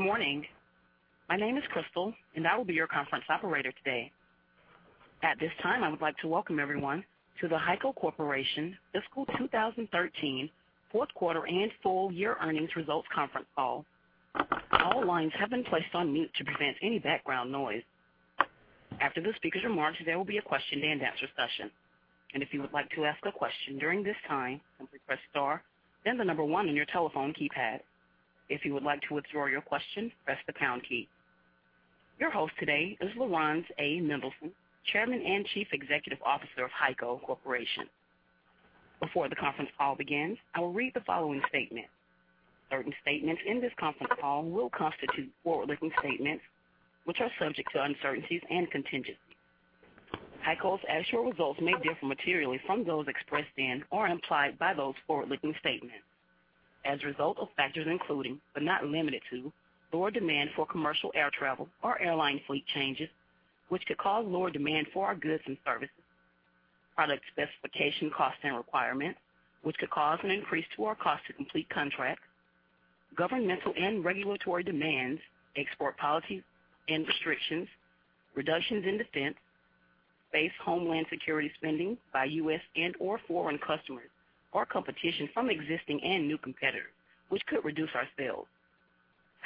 Good morning. My name is Crystal. I will be your conference operator today. At this time, I would like to welcome everyone to the HEICO Corporation Fiscal 2013 Fourth Quarter and Full Year Earnings Results Conference Call. All lines have been placed on mute to prevent any background noise. After the speakers' remarks, there will be a question-and-answer session. If you would like to ask a question during this time, simply press star then the number 1 on your telephone keypad. If you would like to withdraw your question, press the pound key. Your host today is Laurans A. Mendelson, Chairman and Chief Executive Officer of HEICO Corporation. Before the conference call begins, I will read the following statement. Certain statements in this conference call will constitute forward-looking statements, which are subject to uncertainties and contingencies. HEICO's actual results may differ materially from those expressed and/or implied by those forward-looking statements as a result of factors including, but not limited to, lower demand for commercial air travel or airline fleet changes, which could cause lower demand for our goods and services. Product specification costs and requirements, which could cause an increase to our cost to complete contracts. Governmental and regulatory demands, export policies and restrictions. Reductions in defense, base homeland security spending by U.S. and/or foreign customers, or competition from existing and new competitors, which could reduce our sales.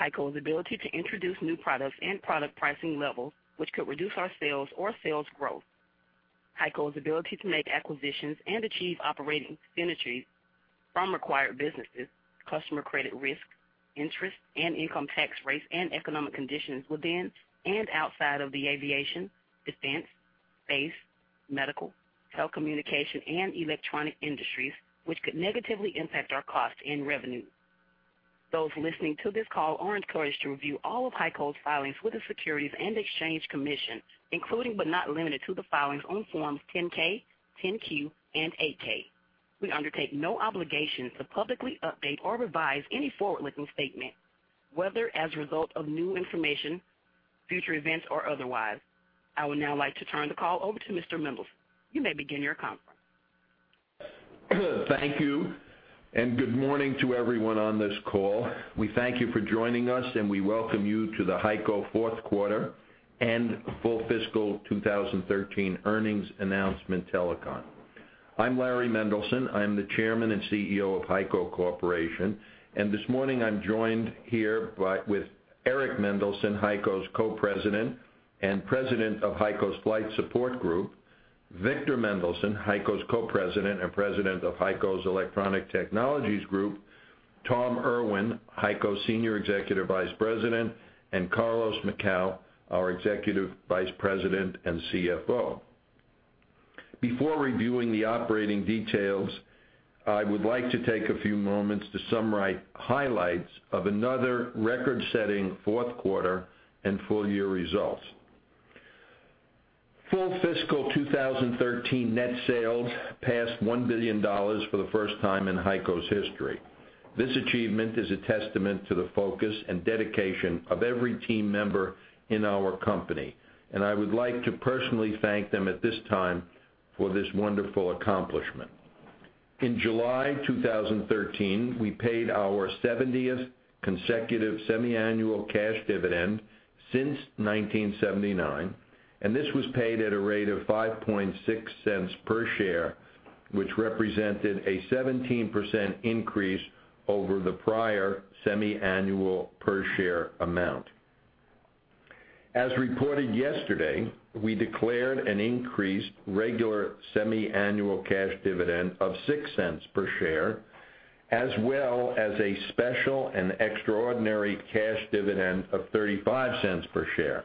HEICO's ability to introduce new products and product pricing levels, which could reduce our sales or sales growth. HEICO's ability to make acquisitions and achieve operating synergies from acquired businesses, customer credit risk, interest and income tax rates, and economic conditions within and outside of the aviation, defense, base, medical, telecommunication, and electronic industries, which could negatively impact our cost and revenue. Those listening to this call are encouraged to review all of HEICO's filings with the Securities and Exchange Commission, including but not limited to the filings on Forms 10-K, 10-Q, and 8-K. We undertake no obligation to publicly update or revise any forward-looking statement, whether as a result of new information, future events, or otherwise. I would now like to turn the call over to Mr. Mendelson. You may begin your conference. Thank you. Good morning to everyone on this call. We thank you for joining us. We welcome you to the HEICO Fourth Quarter and Full Fiscal 2013 earnings announcement telecon. I'm Larry Mendelson. I'm the Chairman and CEO of HEICO Corporation. This morning I'm joined here with Eric Mendelson, HEICO's Co-President and President of HEICO's Flight Support Group, Victor Mendelson, HEICO's Co-President and President of HEICO's Electronic Technologies Group, Tom Irwin, HEICO's Senior Executive Vice President, and Carlos Macau, our Executive Vice President and CFO. Before reviewing the operating details, I would like to take a few moments to summarize highlights of another record-setting fourth quarter and full-year results. Full fiscal 2013 net sales passed $1 billion for the first time in HEICO's history. This achievement is a testament to the focus and dedication of every team member in our company, and I would like to personally thank them at this time for this wonderful accomplishment. In July 2013, we paid our 70th consecutive semiannual cash dividend since 1979, and this was paid at a rate of $0.056 per share, which represented a 17% increase over the prior semiannual per share amount. As reported yesterday, we declared an increased regular semiannual cash dividend of $0.06 per share, as well as a special and extraordinary cash dividend of $0.35 per share.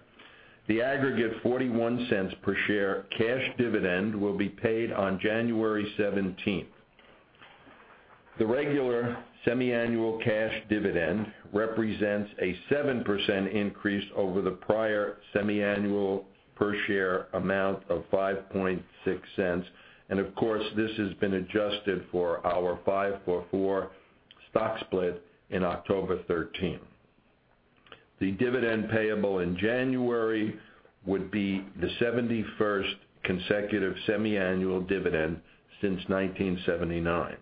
The aggregate $0.41 per share cash dividend will be paid on January 17th. The regular semiannual cash dividend represents a 7% increase over the prior semiannual per share amount of $0.056. Of course, this has been adjusted for our five-for-four stock split in October 2013. The dividend payable in January would be the 71st consecutive semiannual dividend since 1979.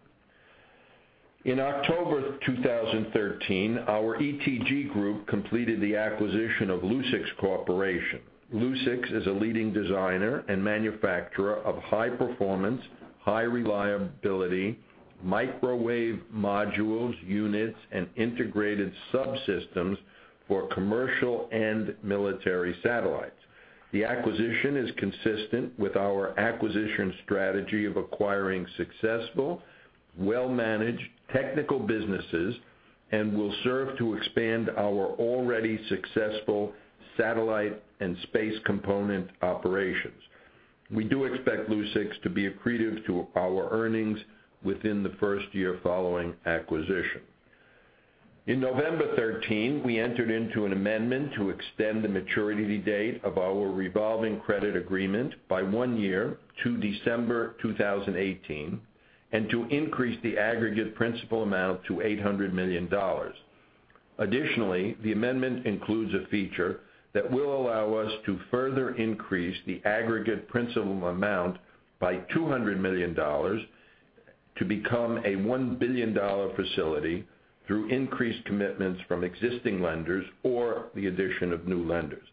In October 2013, our ETG group completed the acquisition of Lucix Corporation. Lucix is a leading designer and manufacturer of high-performance, high-reliability microwave modules, units, and integrated subsystems for commercial and military satellites. The acquisition is consistent with our acquisition strategy of acquiring successful, well-managed technical businesses and will serve to expand our already successful satellite and space component operations. We do expect Lucix to be accretive to our earnings within the first year following acquisition. In November 2013, we entered into an amendment to extend the maturity date of our revolving credit agreement by one year to December 2018 and to increase the aggregate principal amount to $800 million. Additionally, the amendment includes a feature that will allow us to further increase the aggregate principal amount by $200 million to become a $1 billion facility through increased commitments from existing lenders or the addition of new lenders.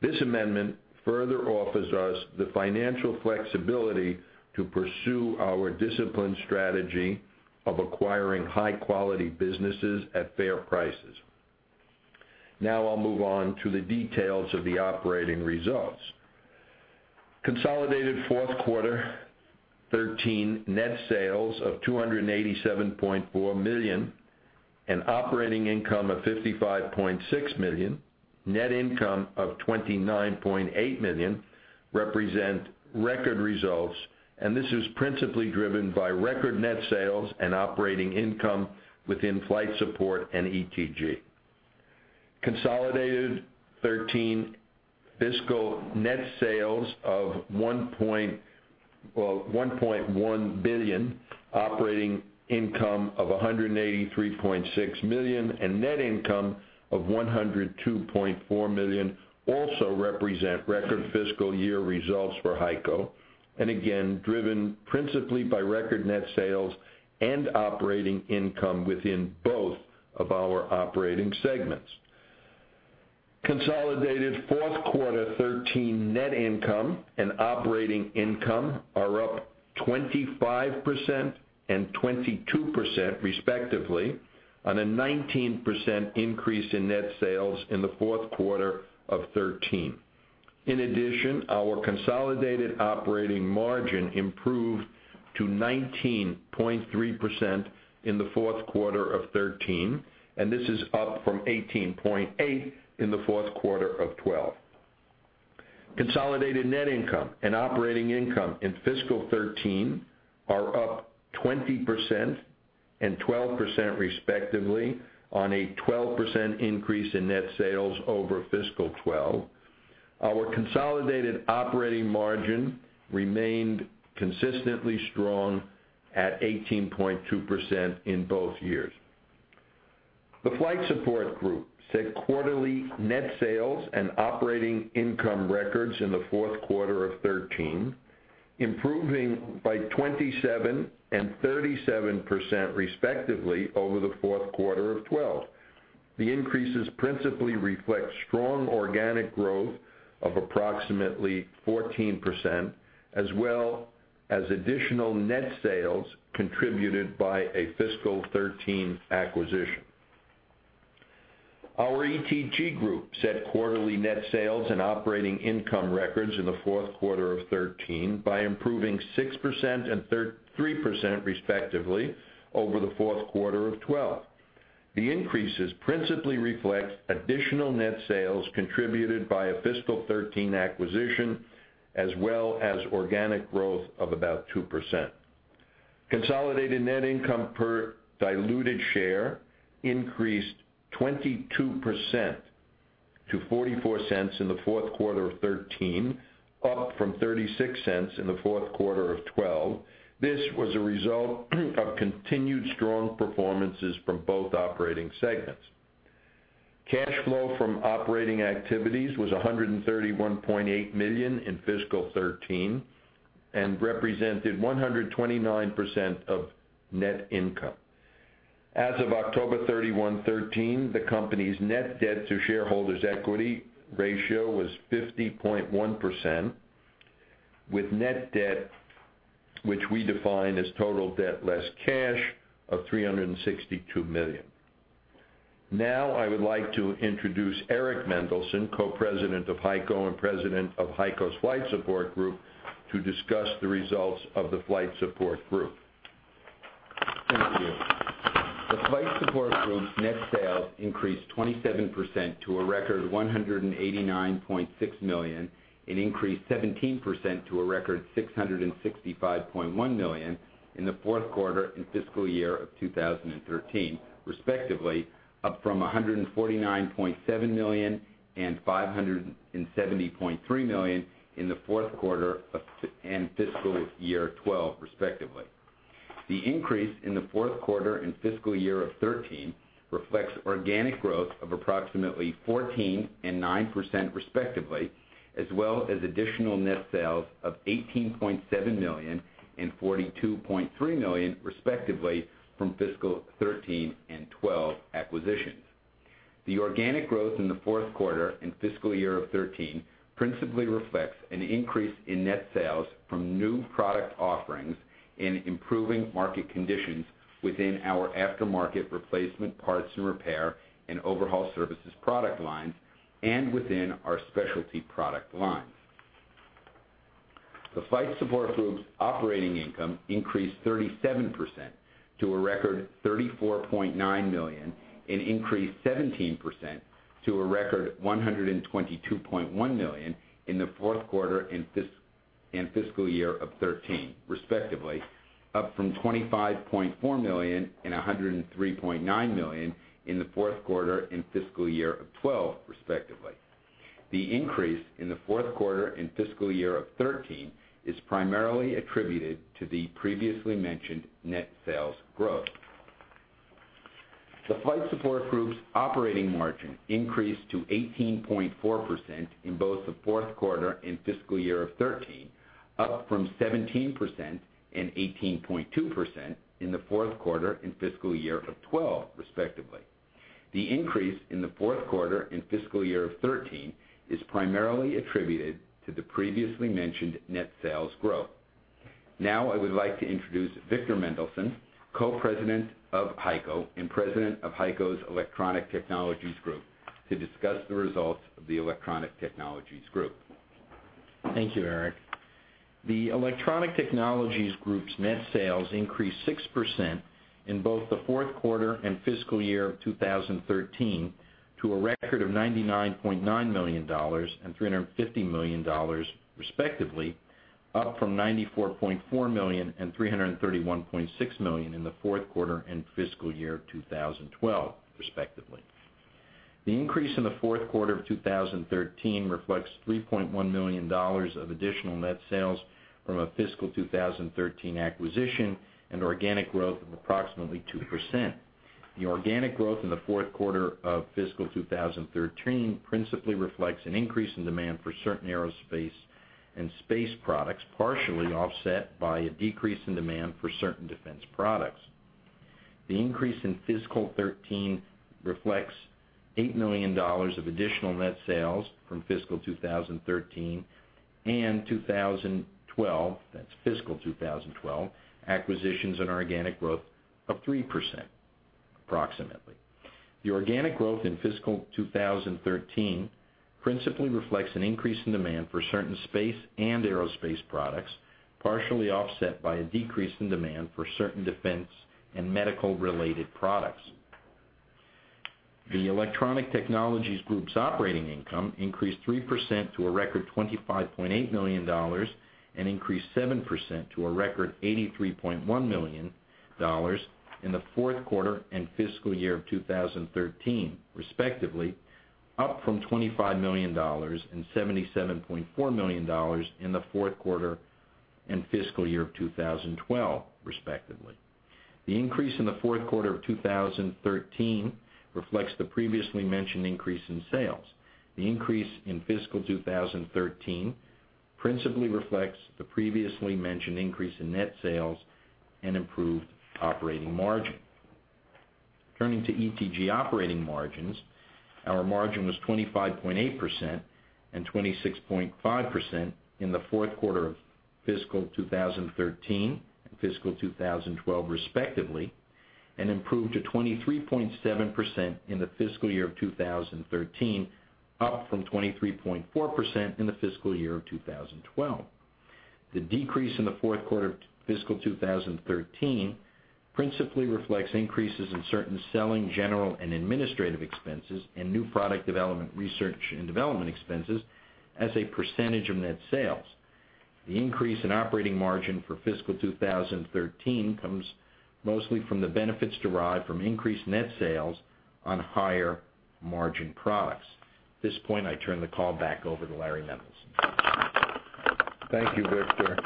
This amendment further offers us the financial flexibility to pursue our disciplined strategy of acquiring high-quality businesses at fair prices. I'll move on to the details of the operating results. Consolidated Q4 2013 net sales of $287.4 million and operating income of $55.6 million, net income of $29.8 million represent record results, and this is principally driven by record net sales and operating income within Flight Support and ETG. Consolidated 2013 fiscal net sales of $1.1 billion, operating income of $183.6 million, and net income of $102.4 million also represent record fiscal year results for HEICO, and again, driven principally by record net sales and operating income within both of our operating segments. Consolidated Q4 2013 net income and operating income are up 25% and 22% respectively, on a 19% increase in net sales in the fourth quarter of 2013. In addition, our consolidated operating margin improved to 19.3% in the fourth quarter of 2013, and this is up from 18.8% in the fourth quarter of 2012. Consolidated net income and operating income in fiscal 2013 are up 20% and 12% respectively on a 12% increase in net sales over fiscal 2012. Our consolidated operating margin remained consistently strong at 18.2% in both years. The Flight Support Group set quarterly net sales and operating income records in the fourth quarter of 2013, improving by 27% and 37% respectively over the fourth quarter of 2012. The increases principally reflect strong organic growth of approximately 14%, as well as additional net sales contributed by a fiscal 2013 acquisition. Our ETG group set quarterly net sales and operating income records in the fourth quarter of 2013 by improving 6% and 33% respectively over the fourth quarter of 2012. The increases principally reflect additional net sales contributed by a fiscal 2013 acquisition, as well as organic growth of about 2%. Consolidated net income per diluted share increased 22% to $0.44 in the fourth quarter of 2013, up from $0.36 in the fourth quarter of 2012. This was a result of continued strong performances from both operating segments. Cash flow from operating activities was $131.8 million in fiscal 2013 and represented 129% of net income. As of October 31, 2013, the company's net debt to shareholders' equity ratio was 50.1%, with net debt, which we define as total debt less cash, of $362 million. I would like to introduce Eric A. Mendelson, Co-President of HEICO and President of HEICO's Flight Support Group, to discuss the results of the Flight Support Group. Thank you. The Flight Support Group's net sales increased 27% to a record $189.6 million and increased 17% to a record $665.1 million in the fourth quarter and fiscal year of 2013, respectively, up from $149.7 million and $570.3 million in the fourth quarter and fiscal year 2012, respectively. The increase in the fourth quarter and fiscal year of 2013 reflects organic growth of approximately 14% and 9% respectively, as well as additional net sales of $18.7 million and $42.3 million respectively from fiscal 2013 and 2012 acquisitions. The organic growth in the fourth quarter and fiscal year of 2013 principally reflects an increase in net sales from new product offerings and improving market conditions within our aftermarket replacement parts and repair and overhaul services product lines and within our specialty product lines. The Flight Support Group's operating income increased 37% to a record $34.9 million and increased 17% to a record $122.1 million in the fourth quarter and fiscal year of 2013, respectively, up from $25.4 million and $103.9 million in the fourth quarter and fiscal year of 2012, respectively. The increase in the fourth quarter and fiscal year of 2013 is primarily attributed to the previously mentioned net sales growth. The Flight Support Group's operating margin increased to in both the fourth quarter and fiscal year of 2013, up from 17% and 18.2% in the fourth quarter and fiscal year of 2012, respectively. $8 million of additional net sales from fiscal 2013 and 2012, that's fiscal 2012, acquisitions and organic growth of 3%, approximately. The organic growth in fiscal 2013 principally reflects an increase in demand for certain space and aerospace products, partially offset by a decrease in demand for certain defense and medical-related products. The Electronic Technologies Group's operating income increased 3% to a record $25.8 million and increased 7% to a record $83.1 million in the fourth quarter and fiscal year of 2013, respectively, up from $25 million and $77.4 million in the fourth quarter and fiscal year of 2012, respectively. The increase in the fourth quarter of 2013 reflects the previously mentioned increase in sales. The increase in fiscal 2013 principally reflects the previously mentioned increase in net sales and improved operating margin. Turning to ETG operating margins, our margin was 25.8% and 26.5% in the fourth quarter of fiscal 2013 and fiscal 2012, respectively, and improved to 23.7% in the fiscal year of 2013, up from 23.4% in the fiscal year of 2012. The decrease in the fourth quarter of fiscal 2013 principally reflects increases in certain selling, general, and administrative expenses and new product development, research and development expenses as a percentage of net sales. The increase in operating margin for fiscal 2013 comes mostly from the benefits derived from increased net sales on higher margin products. At this point, I turn the call back over to Larry Mendelson. Thank you, Victor.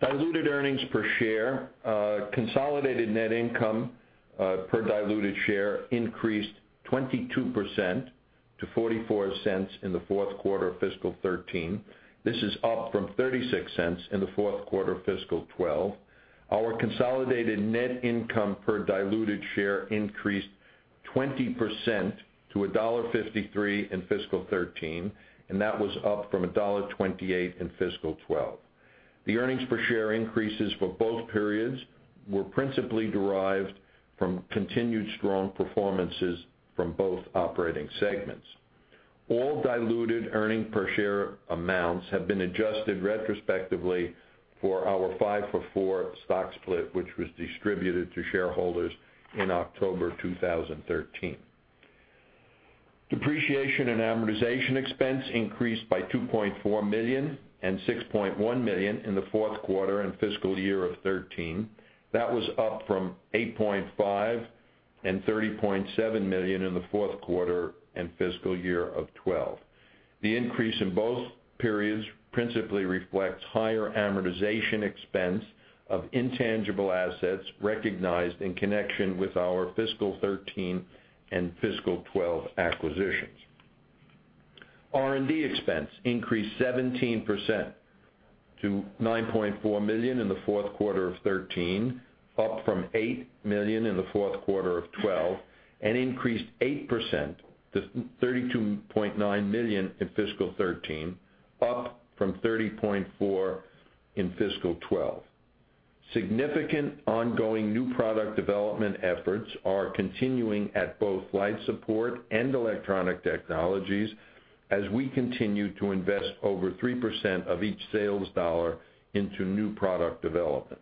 Diluted earnings per share. Consolidated net income per diluted share increased 22% to $0.44 in the fourth quarter of fiscal 2013. This is up from $0.36 in the fourth quarter of fiscal 2012. Our consolidated net income per diluted share increased 20% to $1.53 in fiscal 2013, up from $1.28 in fiscal 2012. The earnings per share increases for both periods were principally derived from continued strong performances from both operating segments. All diluted earnings per share amounts have been adjusted retrospectively for our five-for-four stock split, which was distributed to shareholders in October 2013. Depreciation and amortization expense increased by $2.4 million and $6.1 million in the fourth quarter and fiscal year of 2013. That was up from $8.5 million and $30.7 million in the fourth quarter and fiscal year of 2012. The increase in both periods principally reflects higher amortization expense of intangible assets recognized in connection with our fiscal 2013 and fiscal 2012 acquisitions. R&D expense increased 17% to $9.4 million in the fourth quarter of 2013, up from $8 million in the fourth quarter of 2012, and increased 8% to $32.9 million in fiscal 2013, up from $30.4 million in fiscal 2012. Significant ongoing new product development efforts are continuing at both Flight Support and Electronic Technologies as we continue to invest over 3% of each sales dollar into new product development.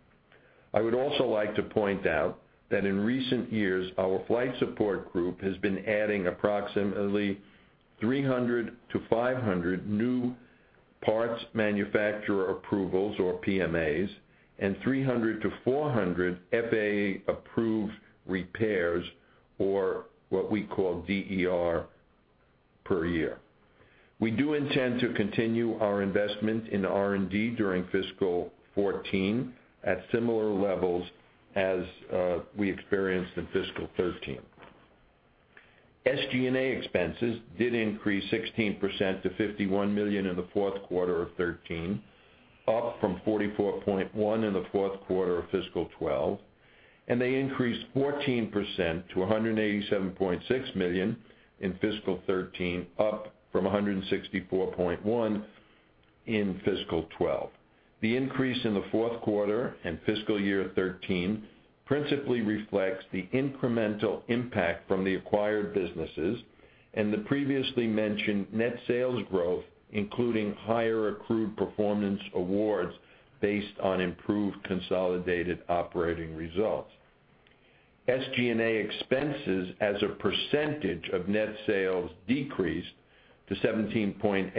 I would also like to point out that in recent years, our Flight Support Group has been adding approximately 300 to 500 new Parts Manufacturer Approvals, or PMAs, and 300 to 400 FAA-approved repairs, or what we call DER per year. We do intend to continue our investment in R&D during fiscal 2014 at similar levels as we experienced in fiscal 2013. SG&A expenses did increase 16% to $51 million in the fourth quarter of 2013, up from $44.1 million in the fourth quarter of fiscal 2012. They increased 14% to $187.6 million in fiscal 2013, up from $164.1 million in fiscal 2012. The increase in the fourth quarter and fiscal year 2013 principally reflects the incremental impact from the acquired businesses and the previously mentioned net sales growth, including higher accrued performance awards based on improved consolidated operating results. SG&A expenses as a percentage of net sales decreased to 17.8%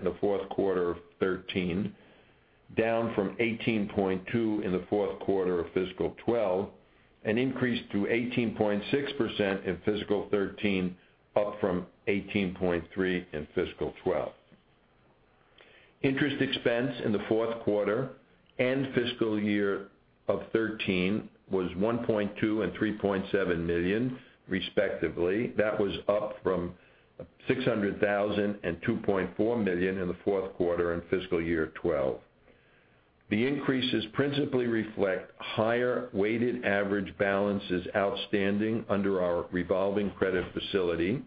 in the fourth quarter of 2013, down from 18.2% in the fourth quarter of fiscal 2012, and increased to 18.6% in fiscal 2013, up from 18.3% in fiscal 2012. Interest expense in the fourth quarter and fiscal year of 2013 was $1.2 million and $3.7 million, respectively. That was up from $600,000 and $2.4 million in the fourth quarter and fiscal year 2012. The increases principally reflect higher weighted average balances outstanding under our revolving credit facility.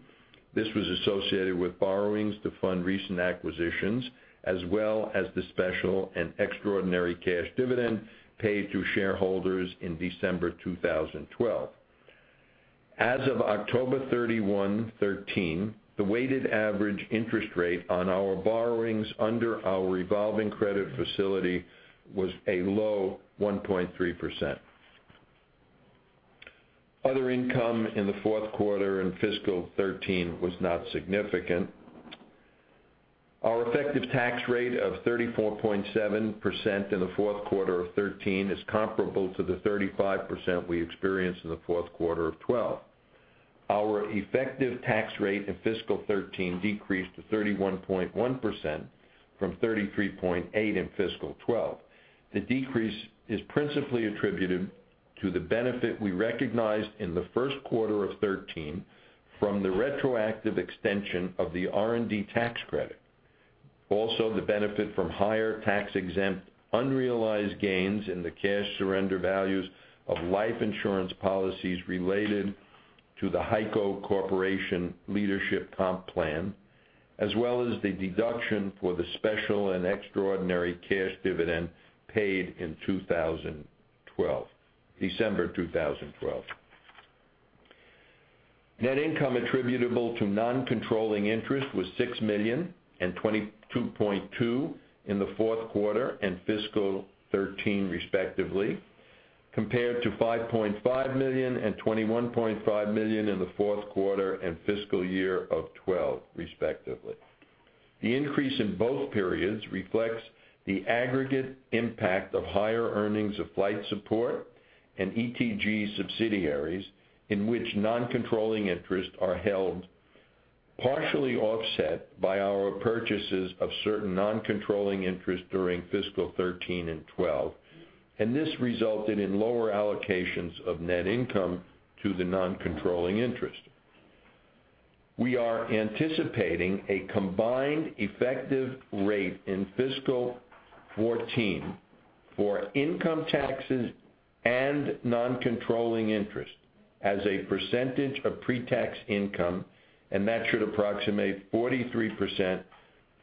This was associated with borrowings to fund recent acquisitions, as well as the special and extraordinary cash dividend paid to shareholders in December 2012. As of October 31, 2013, the weighted average interest rate on our borrowings under our revolving credit facility was a low 1.3%. Other income in the fourth quarter in fiscal 2013 was not significant. Our effective tax rate of 34.7% in the fourth quarter of 2013 is comparable to the 35% we experienced in the fourth quarter of 2012. Our effective tax rate in fiscal 2013 decreased to 31.1% from 33.8% in fiscal 2012. The decrease is principally attributed to the benefit we recognized in the first quarter of 2013 from the retroactive extension of the R&D tax credit. Also, the benefit from higher tax-exempt unrealized gains in the cash surrender values of life insurance policies related to the HEICO Corporation Leadership Comp Plan, as well as the deduction for the special and extraordinary cash dividend paid in December 2012. Net income attributable to non-controlling interest was $6 million and $22.2 million in the fourth quarter and fiscal 2013, respectively, compared to $5.5 million and $21.5 million in the fourth quarter and fiscal year of 2012, respectively. The increase in both periods reflects the aggregate impact of higher earnings of Flight Support and ETG subsidiaries in which non-controlling interests are held, partially offset by our purchases of certain non-controlling interests during fiscal 2013 and 2012. This resulted in lower allocations of net income to the non-controlling interest. We are anticipating a combined effective rate in fiscal 2014 for income taxes and non-controlling interest as a percentage of pre-tax income, that should approximate 43%,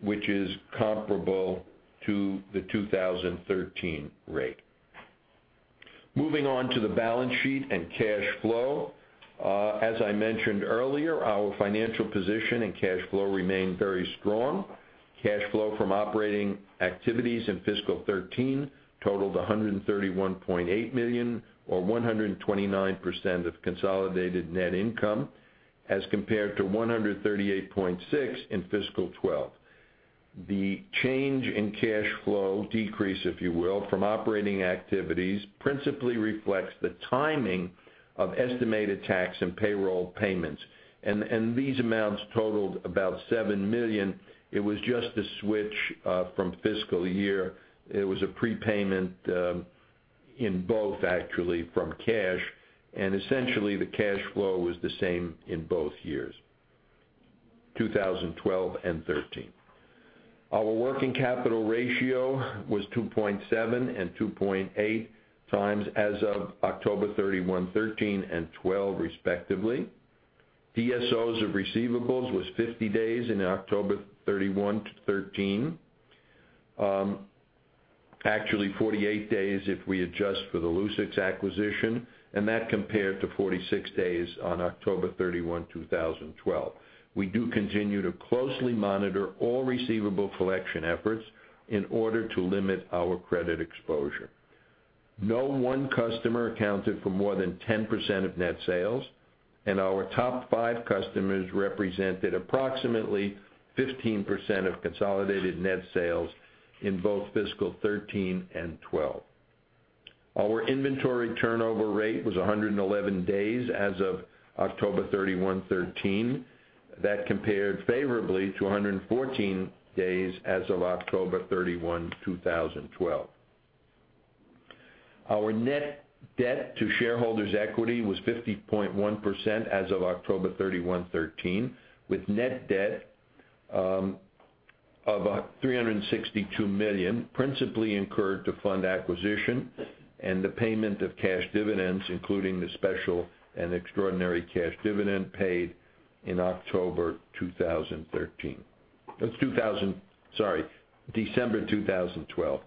which is comparable to the 2013 rate. Moving on to the balance sheet and cash flow. As I mentioned earlier, our financial position and cash flow remain very strong. Cash flow from operating activities in fiscal 2013 totaled $131.8 million or 129% of consolidated net income as compared to $138.6 million in fiscal 2012. The change in cash flow, decrease if you will, from operating activities principally reflects the timing of estimated tax and payroll payments. These amounts totaled about $7 million. It was just a switch from fiscal year. It was a prepayment in both actually from cash, essentially the cash flow was the same in both years, 2012 and 2013. Our working capital ratio was 2.7 and 2.8 times as of October 31, 2013 and 2012, respectively. DSOs of receivables was 50 days in October 31, 2013. Actually, 48 days if we adjust for the Lucix acquisition, that compared to 46 days on October 31, 2012. We do continue to closely monitor all receivable collection efforts in order to limit our credit exposure. No one customer accounted for more than 10% of net sales. Our top five customers represented approximately 15% of consolidated net sales in both fiscal 2013 and 2012. Our inventory turnover rate was 111 days as of October 31, 2013. That compared favorably to 114 days as of October 31, 2012. Our net debt to shareholders' equity was 50.1% as of October 31, 2013, with net debt of $362 million, principally incurred to fund acquisition and the payment of cash dividends, including the special and extraordinary cash dividend paid in October 2013. Sorry, December 2012.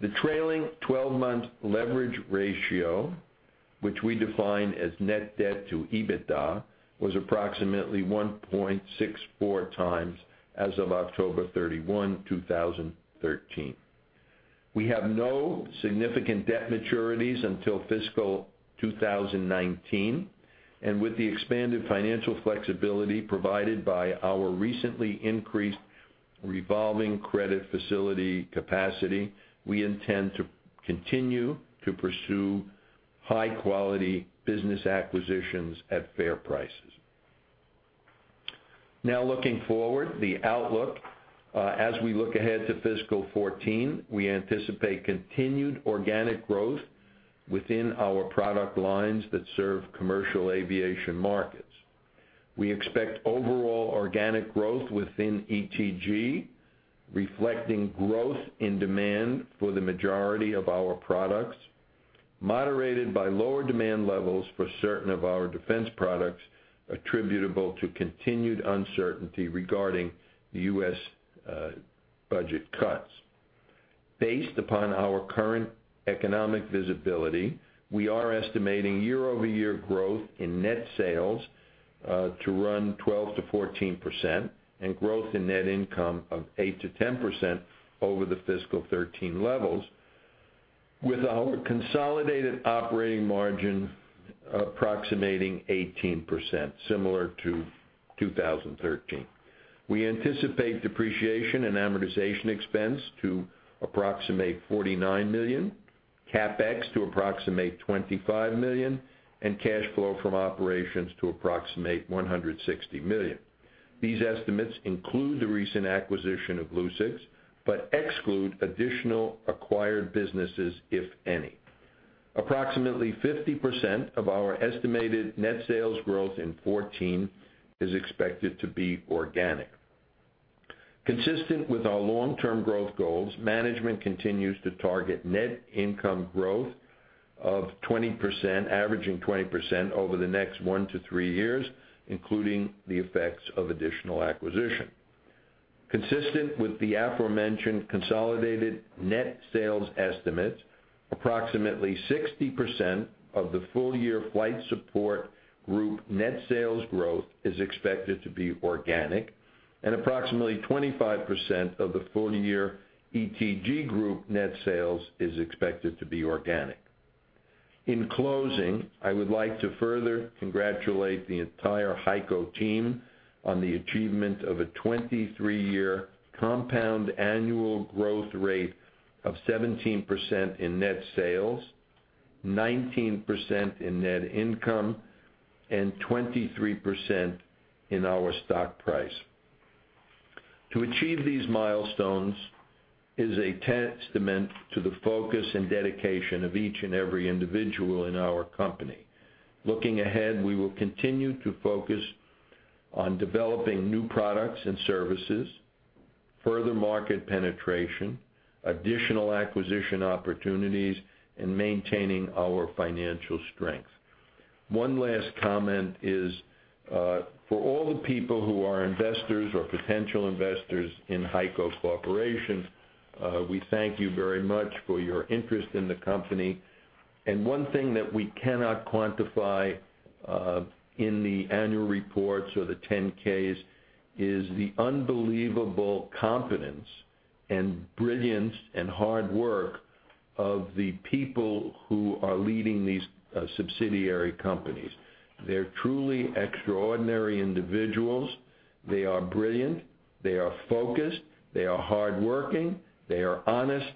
The trailing 12-month leverage ratio, which we define as net debt to EBITDA, was approximately 1.64 times as of October 31, 2013. We have no significant debt maturities until fiscal 2019, and with the expanded financial flexibility provided by our recently increased revolving credit facility capacity, we intend to continue to pursue high-quality business acquisitions at fair prices. Looking forward, the outlook. As we look ahead to fiscal 2014, we anticipate continued organic growth within our product lines that serve commercial aviation markets. We expect overall organic growth within ETG, reflecting growth in demand for the majority of our products, moderated by lower demand levels for certain of our defense products attributable to continued uncertainty regarding the U.S. budget cuts. Based upon our current economic visibility, we are estimating year-over-year growth in net sales to run 12%-14%, and growth in net income of 8%-10% over the fiscal 2013 levels, with our consolidated operating margin approximating 18%, similar to 2013. We anticipate depreciation and amortization expense to approximate $49 million, CapEx to approximate $25 million, and cash flow from operations to approximate $160 million. These estimates include the recent acquisition of Lucix, but exclude additional acquired businesses, if any. Approximately 50% of our estimated net sales growth in 2014 is expected to be organic. Consistent with our long-term growth goals, management continues to target net income growth averaging 20% over the next one to three years, including the effects of additional acquisition. Consistent with the aforementioned consolidated net sales estimates, approximately 60% of the full-year Flight Support Group net sales growth is expected to be organic, and approximately 25% of the full-year ETG Group net sales is expected to be organic. In closing, I would like to further congratulate the entire HEICO team on the achievement of a 23-year compound annual growth rate of 17% in net sales, 19% in net income, and 23% in our stock price. To achieve these milestones is a testament to the focus and dedication of each and every individual in our company. Looking ahead, we will continue to focus on developing new products and services, further market penetration, additional acquisition opportunities, and maintaining our financial strength. One last comment is, for all the people who are investors or potential investors in HEICO Corporation, we thank you very much for your interest in the company. One thing that we cannot quantify in the annual reports or the Form 10-Ks is the unbelievable competence and brilliance, and hard work of the people who are leading these subsidiary companies. They are truly extraordinary individuals. They are brilliant. They are focused. They are hardworking. They are honest.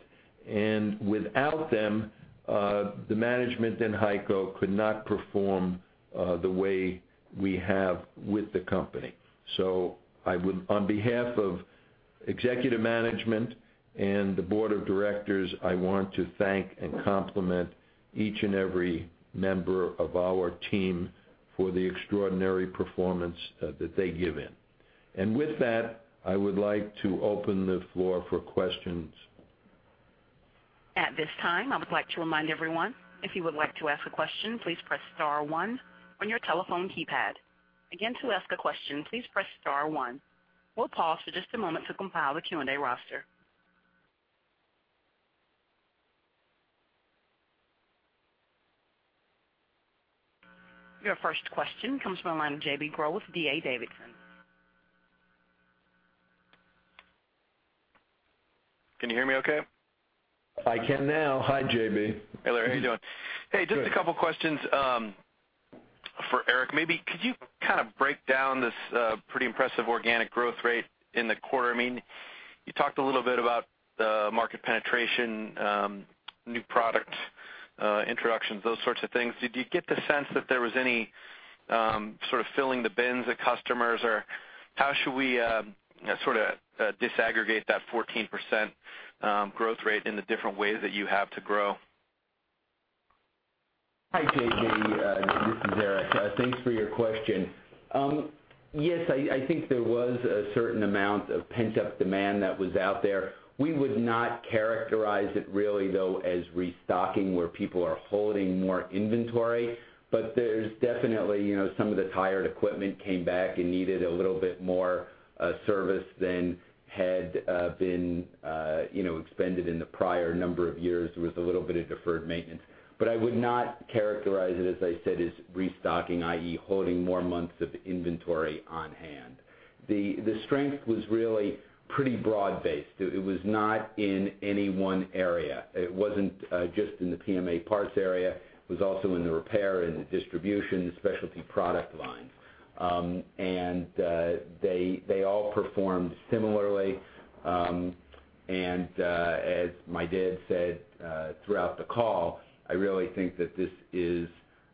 Without them, the management in HEICO could not perform the way we have with the company. So on behalf of executive management and the Board of Directors, I want to thank and compliment each and every member of our team for the extraordinary performance that they give in. With that, I would like to open the floor for questions. At this time, I would like to remind everyone, if you would like to ask a question, please press star one on your telephone keypad. Again, to ask a question, please press star one. We'll pause for just a moment to compile the Q&A roster. Your first question comes from the line of J.B. Groh with D.A. Davidson. Can you hear me okay? I can now. Hi, J.B. Hey, Larry. How you doing? Hey, just a couple of questions. Eric, maybe could you break down this pretty impressive organic growth rate in the quarter? You talked a little bit about the market penetration, new product introductions, those sorts of things. Did you get the sense that there was any sort of filling the bins of customers? Or how should we disaggregate that 14% growth rate in the different ways that you have to grow? Hi, J.B. This is Eric. Thanks for your question. Yes, I think there was a certain amount of pent-up demand that was out there. We would not characterize it really though, as restocking, where people are holding more inventory. There's definitely, some of the tired equipment came back and needed a little bit more service than had been expended in the prior number of years, with a little bit of deferred maintenance. I would not characterize it, as I said, as restocking, i.e., holding more months of inventory on hand. The strength was really pretty broad-based. It was not in any one area. It wasn't just in the PMA parts area, it was also in the repair and the distribution, the specialty product line. They all performed similarly. As my dad said throughout the call, I really think that this is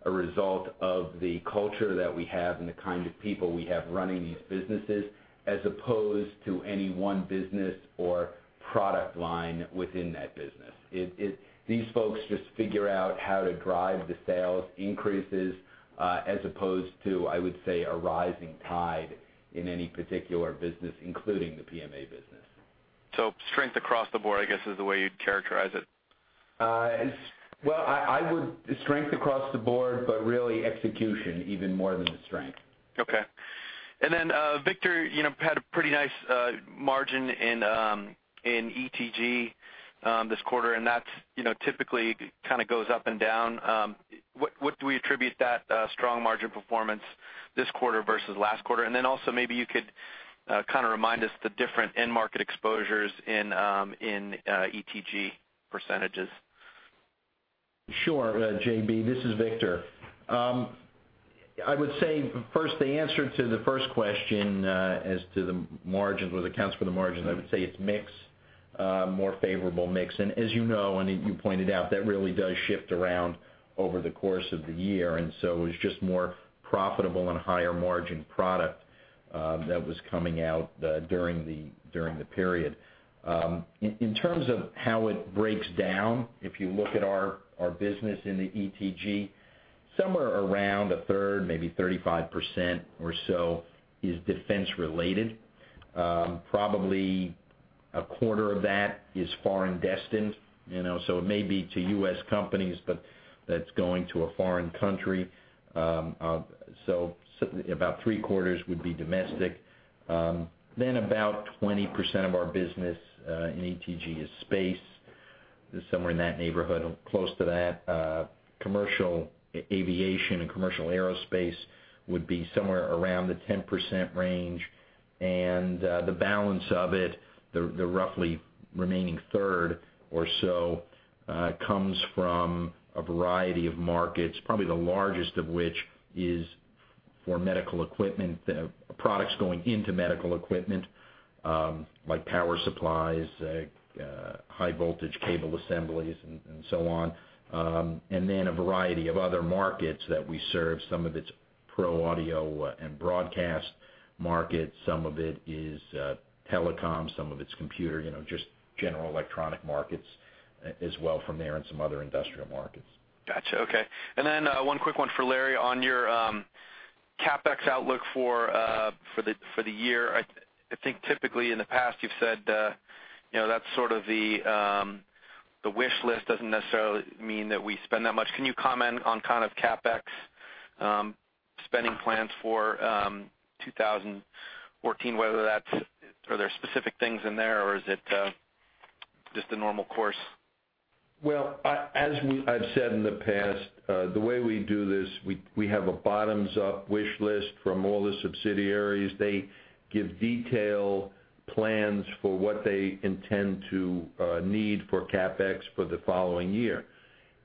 a result of the culture that we have and the kind of people we have running these businesses as opposed to any one business or product line within that business. These folks just figure out how to drive the sales increases, as opposed to, I would say, a rising tide in any particular business, including the PMA business. Strength across the board, I guess, is the way you'd characterize it. I would, strength across the board, but really execution even more than the strength. Okay. Victor had a pretty nice margin in ETG this quarter, and that typically kind of goes up and down. What do we attribute that strong margin performance this quarter versus last quarter? Also maybe you could kind of remind us the different end market exposures in ETG percentages. Sure J.B., this is Victor. I would say first, the answer to the first question as to the margins, what accounts for the margins, I would say it's mix, a more favorable mix. As you know, and you pointed out, that really does shift around over the course of the year. It was just more profitable and higher margin product that was coming out during the period. In terms of how it breaks down, if you look at our business in the ETG, somewhere around a third, maybe 35% or so is defense related. Probably a quarter of that is foreign destined. So it may be to U.S. companies, but that's going to a foreign country. So about three quarters would be domestic. Then about 20% of our business in ETG is space, somewhere in that neighborhood or close to that. Commercial aviation and commercial aerospace would be somewhere around the 10% range, the balance of it, the roughly remaining third or so, comes from a variety of markets, probably the largest of which is for medical equipment, products going into medical equipment, like power supplies, high voltage cable assemblies and so on. A variety of other markets that we serve. Some of it's pro audio and broadcast market, some of it is telecom, some of it's computer, just general electronic markets as well from there and some other industrial markets. Got you. Okay. One quick one for Larry on your CapEx outlook for the year. I think typically in the past you've said that's sort of the wish list, doesn't necessarily mean that we spend that much. Can you comment on kind of CapEx spending plans for 2014, whether there are specific things in there or is it just a normal course? As I've said in the past, the way we do this, we have a bottoms-up wish list from all the subsidiaries. They give detailed plans for what they intend to need for CapEx for the following year.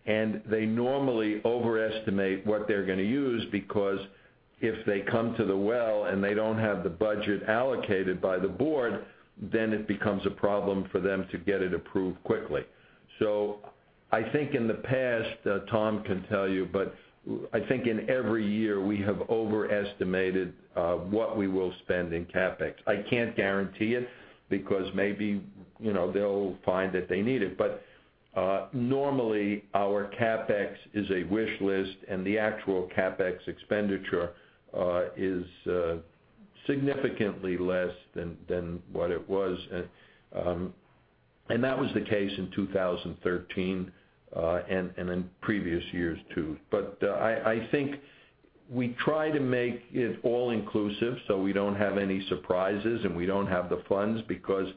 They normally overestimate what they're going to use, because if they come to the well and they don't have the budget allocated by the board, it becomes a problem for them to get it approved quickly. I think in the past, Tom Irwin can tell you, but I think in every year, we have overestimated what we will spend in CapEx. I can't guarantee it because maybe they'll find that they need it. Normally our CapEx is a wish list and the actual CapEx expenditure is significantly less than what it was. That was the case in 2013, and in previous years too. I think we try to make it all inclusive so we don't have any surprises and we don't have the funds because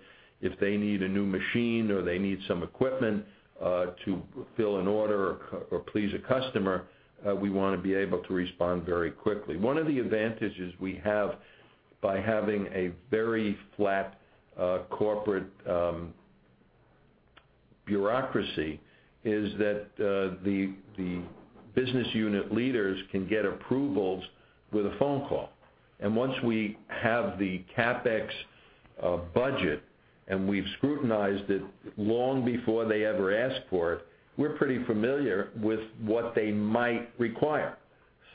if they need a new machine or they need some equipment to fulfill an order or please a customer, we want to be able to respond very quickly. One of the advantages we have by having a very flat corporate bureaucracy is that the business unit leaders can get approvals with a phone call. Once we have the CapEx budget, and we've scrutinized it long before they ever ask for it, we're pretty familiar with what they might require.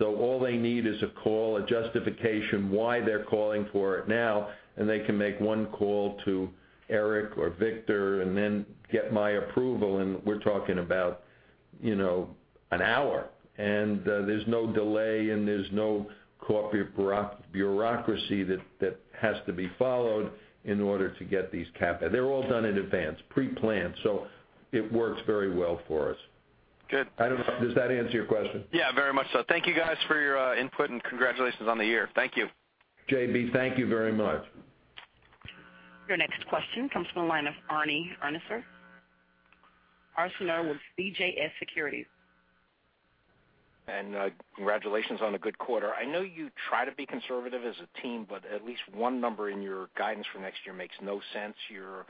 All they need is a call, a justification why they're calling for it now, and they can make one call to Eric or Victor and then get my approval, and we're talking about an hour. There's no delay, and there's no corporate bureaucracy that has to be followed in order to get these CapEx. They're all done in advance, pre-planned, it works very well for us. Good. I don't know. Does that answer your question? Yeah, very much so. Thank you guys for your input. Congratulations on the year. Thank you. J.B., thank you very much. Your next question comes from the line of Arnold Ursaner with CJS Securities. Congratulations on a good quarter. I know you try to be conservative as a team. At least one number in your guidance for next year makes no sense. Your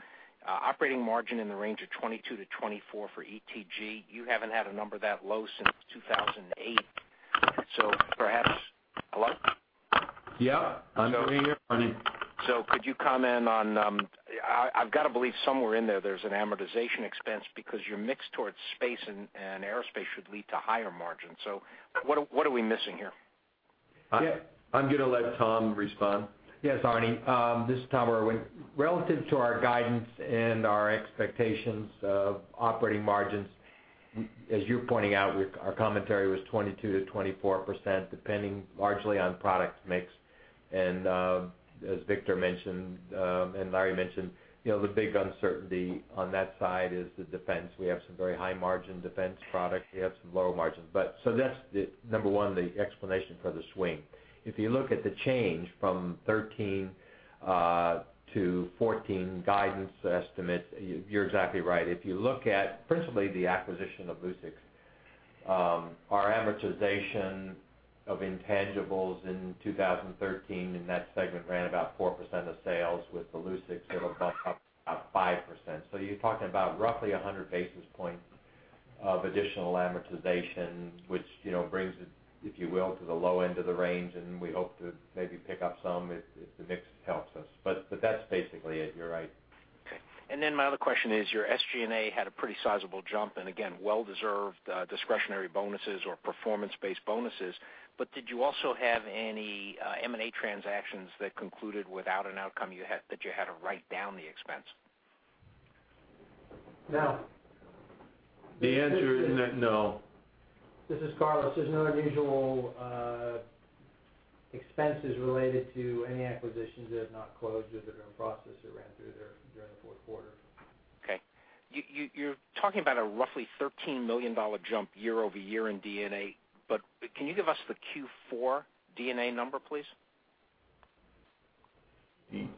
operating margin in the range of 22%-24% for ETG. You haven't had a number that low since 2008. Hello? Yeah, I'm hearing you, Arnie. Could you comment? I've got to believe somewhere in there's an amortization expense because your mix towards space and aerospace should lead to higher margins. What are we missing here? I'm going to let Tom respond. Yes, Arnie. This is Tom Irwin. Relative to our guidance and our expectations of operating margins, as you're pointing out, our commentary was 22%-24%, depending largely on product mix. As Victor mentioned, and Larry mentioned, the big uncertainty on that side is the defense. We have some very high-margin defense products. We have some low margins. That's, number 1, the explanation for the swing. If you look at the change from 2013-2014 guidance estimates, you're exactly right. If you look at principally the acquisition of Lucix, our amortization of intangibles in 2013 in that segment ran about 4% of sales. With the Lucix, it'll bump up to about 5%. You're talking about roughly 100 basis points of additional amortization, which brings it, if you will, to the low end of the range, and we hope to maybe pick up some if the mix helps us. That's basically it. You're right. Okay. My other question is, your SG&A had a pretty sizable jump, and again, well-deserved discretionary bonuses or performance-based bonuses. Did you also have any M&A transactions that concluded without an outcome that you had to write down the expense? No. The answer is no. This is Carlos. There's no unusual expenses related to any acquisitions that have not closed, or that are in process or ran through there during the fourth quarter. Okay. You're talking about a roughly $13 million jump year-over-year in D&A. Can you give us the Q4 D&A number, please? Steve?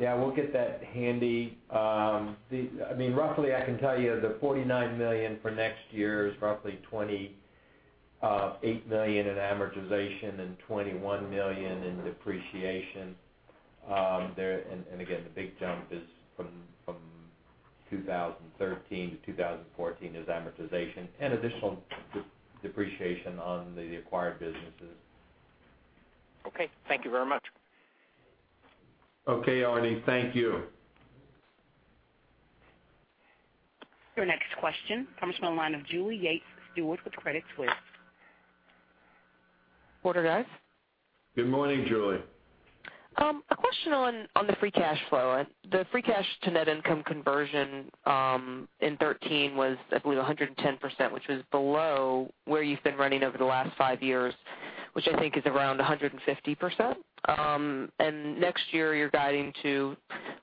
Yeah, we'll get that handy. Roughly, I can tell you, the $49 million for next year is roughly $28 million in amortization and $21 million in depreciation. Again, the big jump from 2013 to 2014 is amortization and additional depreciation on the acquired businesses. Okay. Thank you very much. Okay, Arnie. Thank you. Your next question comes from the line of Julie Yates with Credit Suisse. Morning, guys. Good morning, Julie. A question on the free cash flow. The free cash to net income conversion in 2013 was, I believe, 110%, which was below where you've been running over the last five years, which I think is around 150%. Next year, you're guiding to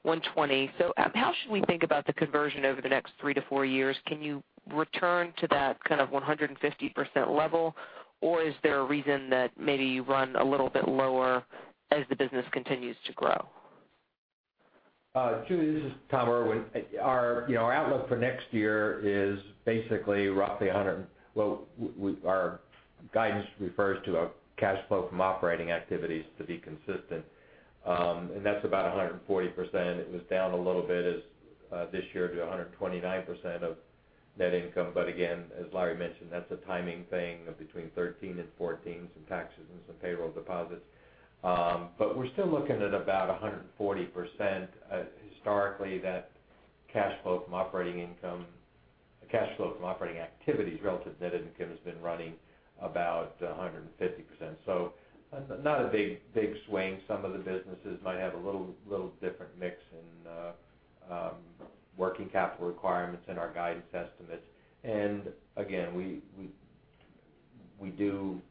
120. How should we think about the conversion over the next three to four years? Can you return to that kind of 150% level, or is there a reason that maybe you run a little bit lower as the business continues to grow? Julie, this is Tom Irwin. Our guidance refers to a cash flow from operating activities to be consistent. That's about 140%. It was down a little bit this year to 129% of net income. Again, as Larry mentioned, that's a timing thing of between 2013 and 2014, some taxes and some payroll deposits. We're still looking at about 140%. Historically, that cash flow from operating activities relative to net income has been running about 150%. Not a big swing. Some of the businesses might have a little different mix in working capital requirements in our guidance estimates. Again, we do,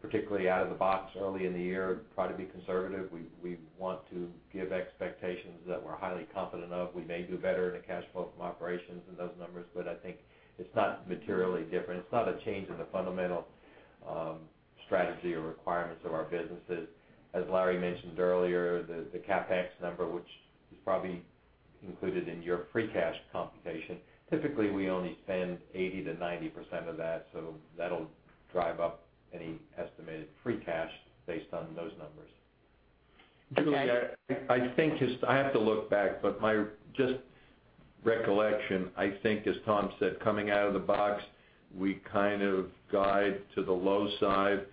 particularly out of the box early in the year, try to be conservative. We want to give expectations that we're highly confident of. We may do better in the cash flow from operations than those numbers, but I think it's not materially different. It's not a change in the fundamental strategy or requirements of our businesses. As Larry mentioned earlier, the CapEx number, which is probably included in your free cash computation, typically, we only spend 80%-90% of that'll drive up any estimated free cash based on those numbers. Julie, I have to look back, but my recollection, I think as Tom said, coming out of the box, we kind of guide to the low side,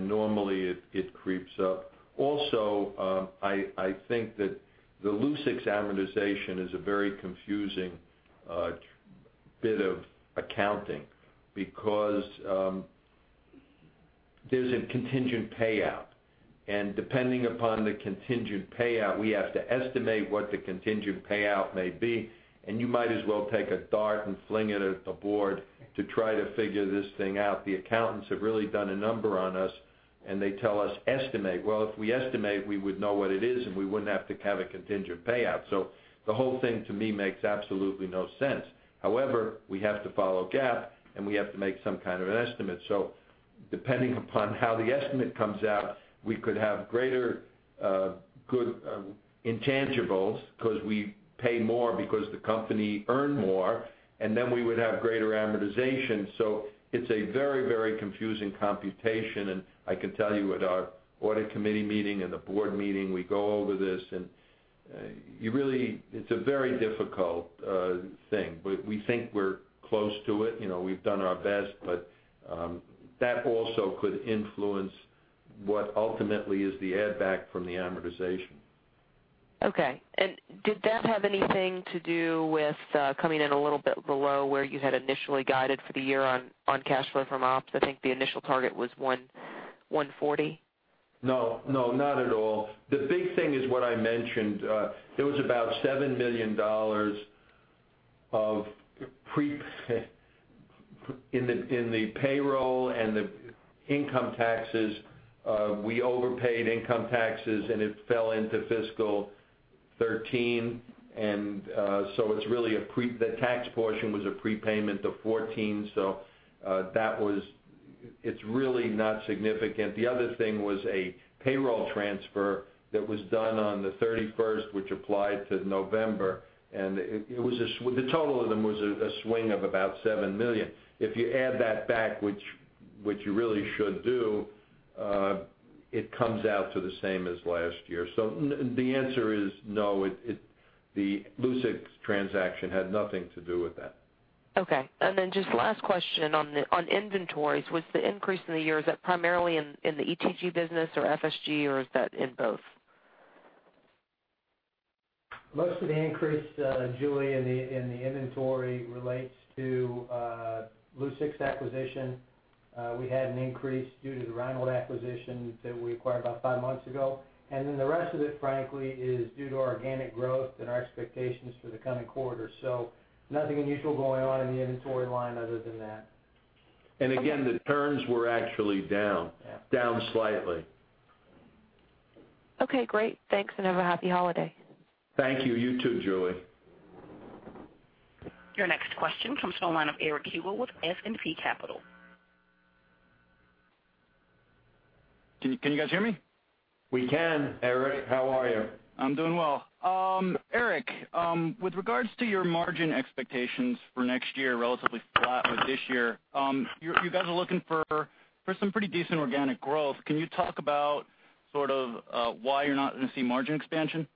normally it creeps up. Also, I think that the Lucix amortization is a very confusing bit of accounting because there's a contingent payout, and depending upon the contingent payout, we have to estimate what the contingent payout may be. You might as well take a dart and fling it at the board to try to figure this thing out. The accountants have really done a number on us, and they tell us, "Estimate." If we estimate, we would know what it is, and we wouldn't have to have a contingent payout. The whole thing to me makes absolutely no sense. However, we have to follow GAAP, and we have to make some kind of an estimate. Depending upon how the estimate comes out, we could have greater intangibles because we pay more because the company earned more, then we would have greater amortization. It's a very confusing computation, I can tell you at our audit committee meeting and the board meeting, we go over this, it's a very difficult thing. We think we're close to it. We've done our best, that also could influence what ultimately is the add-back from the amortization. Okay. Did that have anything to do with coming in a little bit below where you had initially guided for the year on cash flow from ops? I think the initial target was $140? No, not at all. The big thing is what I mentioned. There was about $7 million in the payroll and the income taxes. We overpaid income taxes, and it fell into fiscal 2013. The tax portion was a prepayment of 2014. It is really not significant. The other thing was a payroll transfer that was done on the 31st, which applied to November, and the total of them was a swing of about $7 million. If you add that back, which you really should do, it comes out to the same as last year. The answer is no, the Lucix transaction had nothing to do with that. Okay. Just last question on inventories. Was the increase in the year, is that primarily in the ETG business or FSG, or is that in both? Most of the increase, Julie, in the inventory relates to Lucix acquisition. We had an increase due to the Reinhold acquisition that we acquired about five months ago. The rest of it, frankly, is due to organic growth and our expectations for the coming quarter. Nothing unusual going on in the inventory line other than that. The turns were actually down. Yeah. Down slightly. Okay, great. Thanks, and have a happy holiday. Thank you. You too, Julie. Your next question comes on the line of Eric Eubell with S&P Capital. Can you guys hear me? We can, Eric. How are you? I'm doing well. Eric, with regards to your margin expectations for next year, relatively flat with this year, you guys are looking for some pretty decent organic growth. Can you talk about why you're not going to see margin expansion?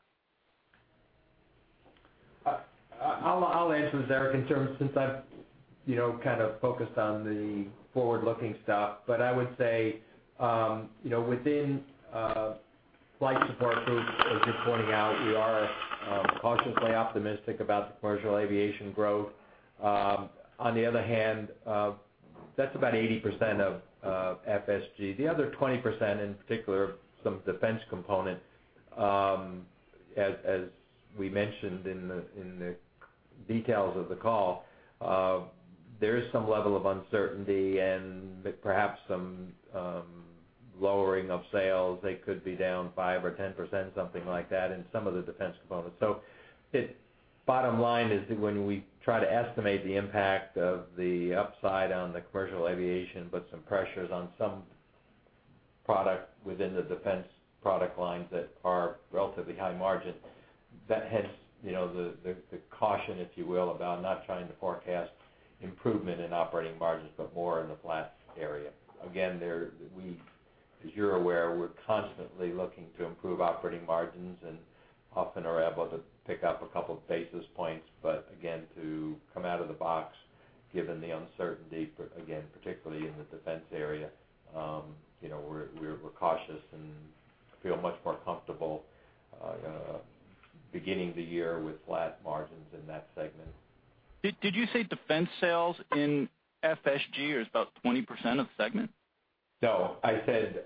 I'll answer this, Eric, in terms, since I've kind of focused on the forward-looking stuff. I would say, within Flight Support Group, as you're pointing out, we are cautiously optimistic about the commercial aviation growth. On the other hand, that's about 80% of FSG. The other 20%, in particular, some defense component, as we mentioned in the details of the call, there is some level of uncertainty and perhaps some lowering of sales. They could be down 5% or 10%, something like that, in some of the defense components. Bottom line is when we try to estimate the impact of the upside on the commercial aviation, but some pressures on some product within the defense product lines that are relatively high margin, hence the caution, if you will, about not trying to forecast improvement in operating margins, but more in the flat area. Again, as you're aware, we're constantly looking to improve operating margins and often are able to pick up a couple of basis points. Again, to come out of the box, given the uncertainty, again, particularly in the defense area, we're cautious and feel much more comfortable beginning the year with flat margins in that segment. Did you say defense sales in FSG is about 20% of the segment? No. I said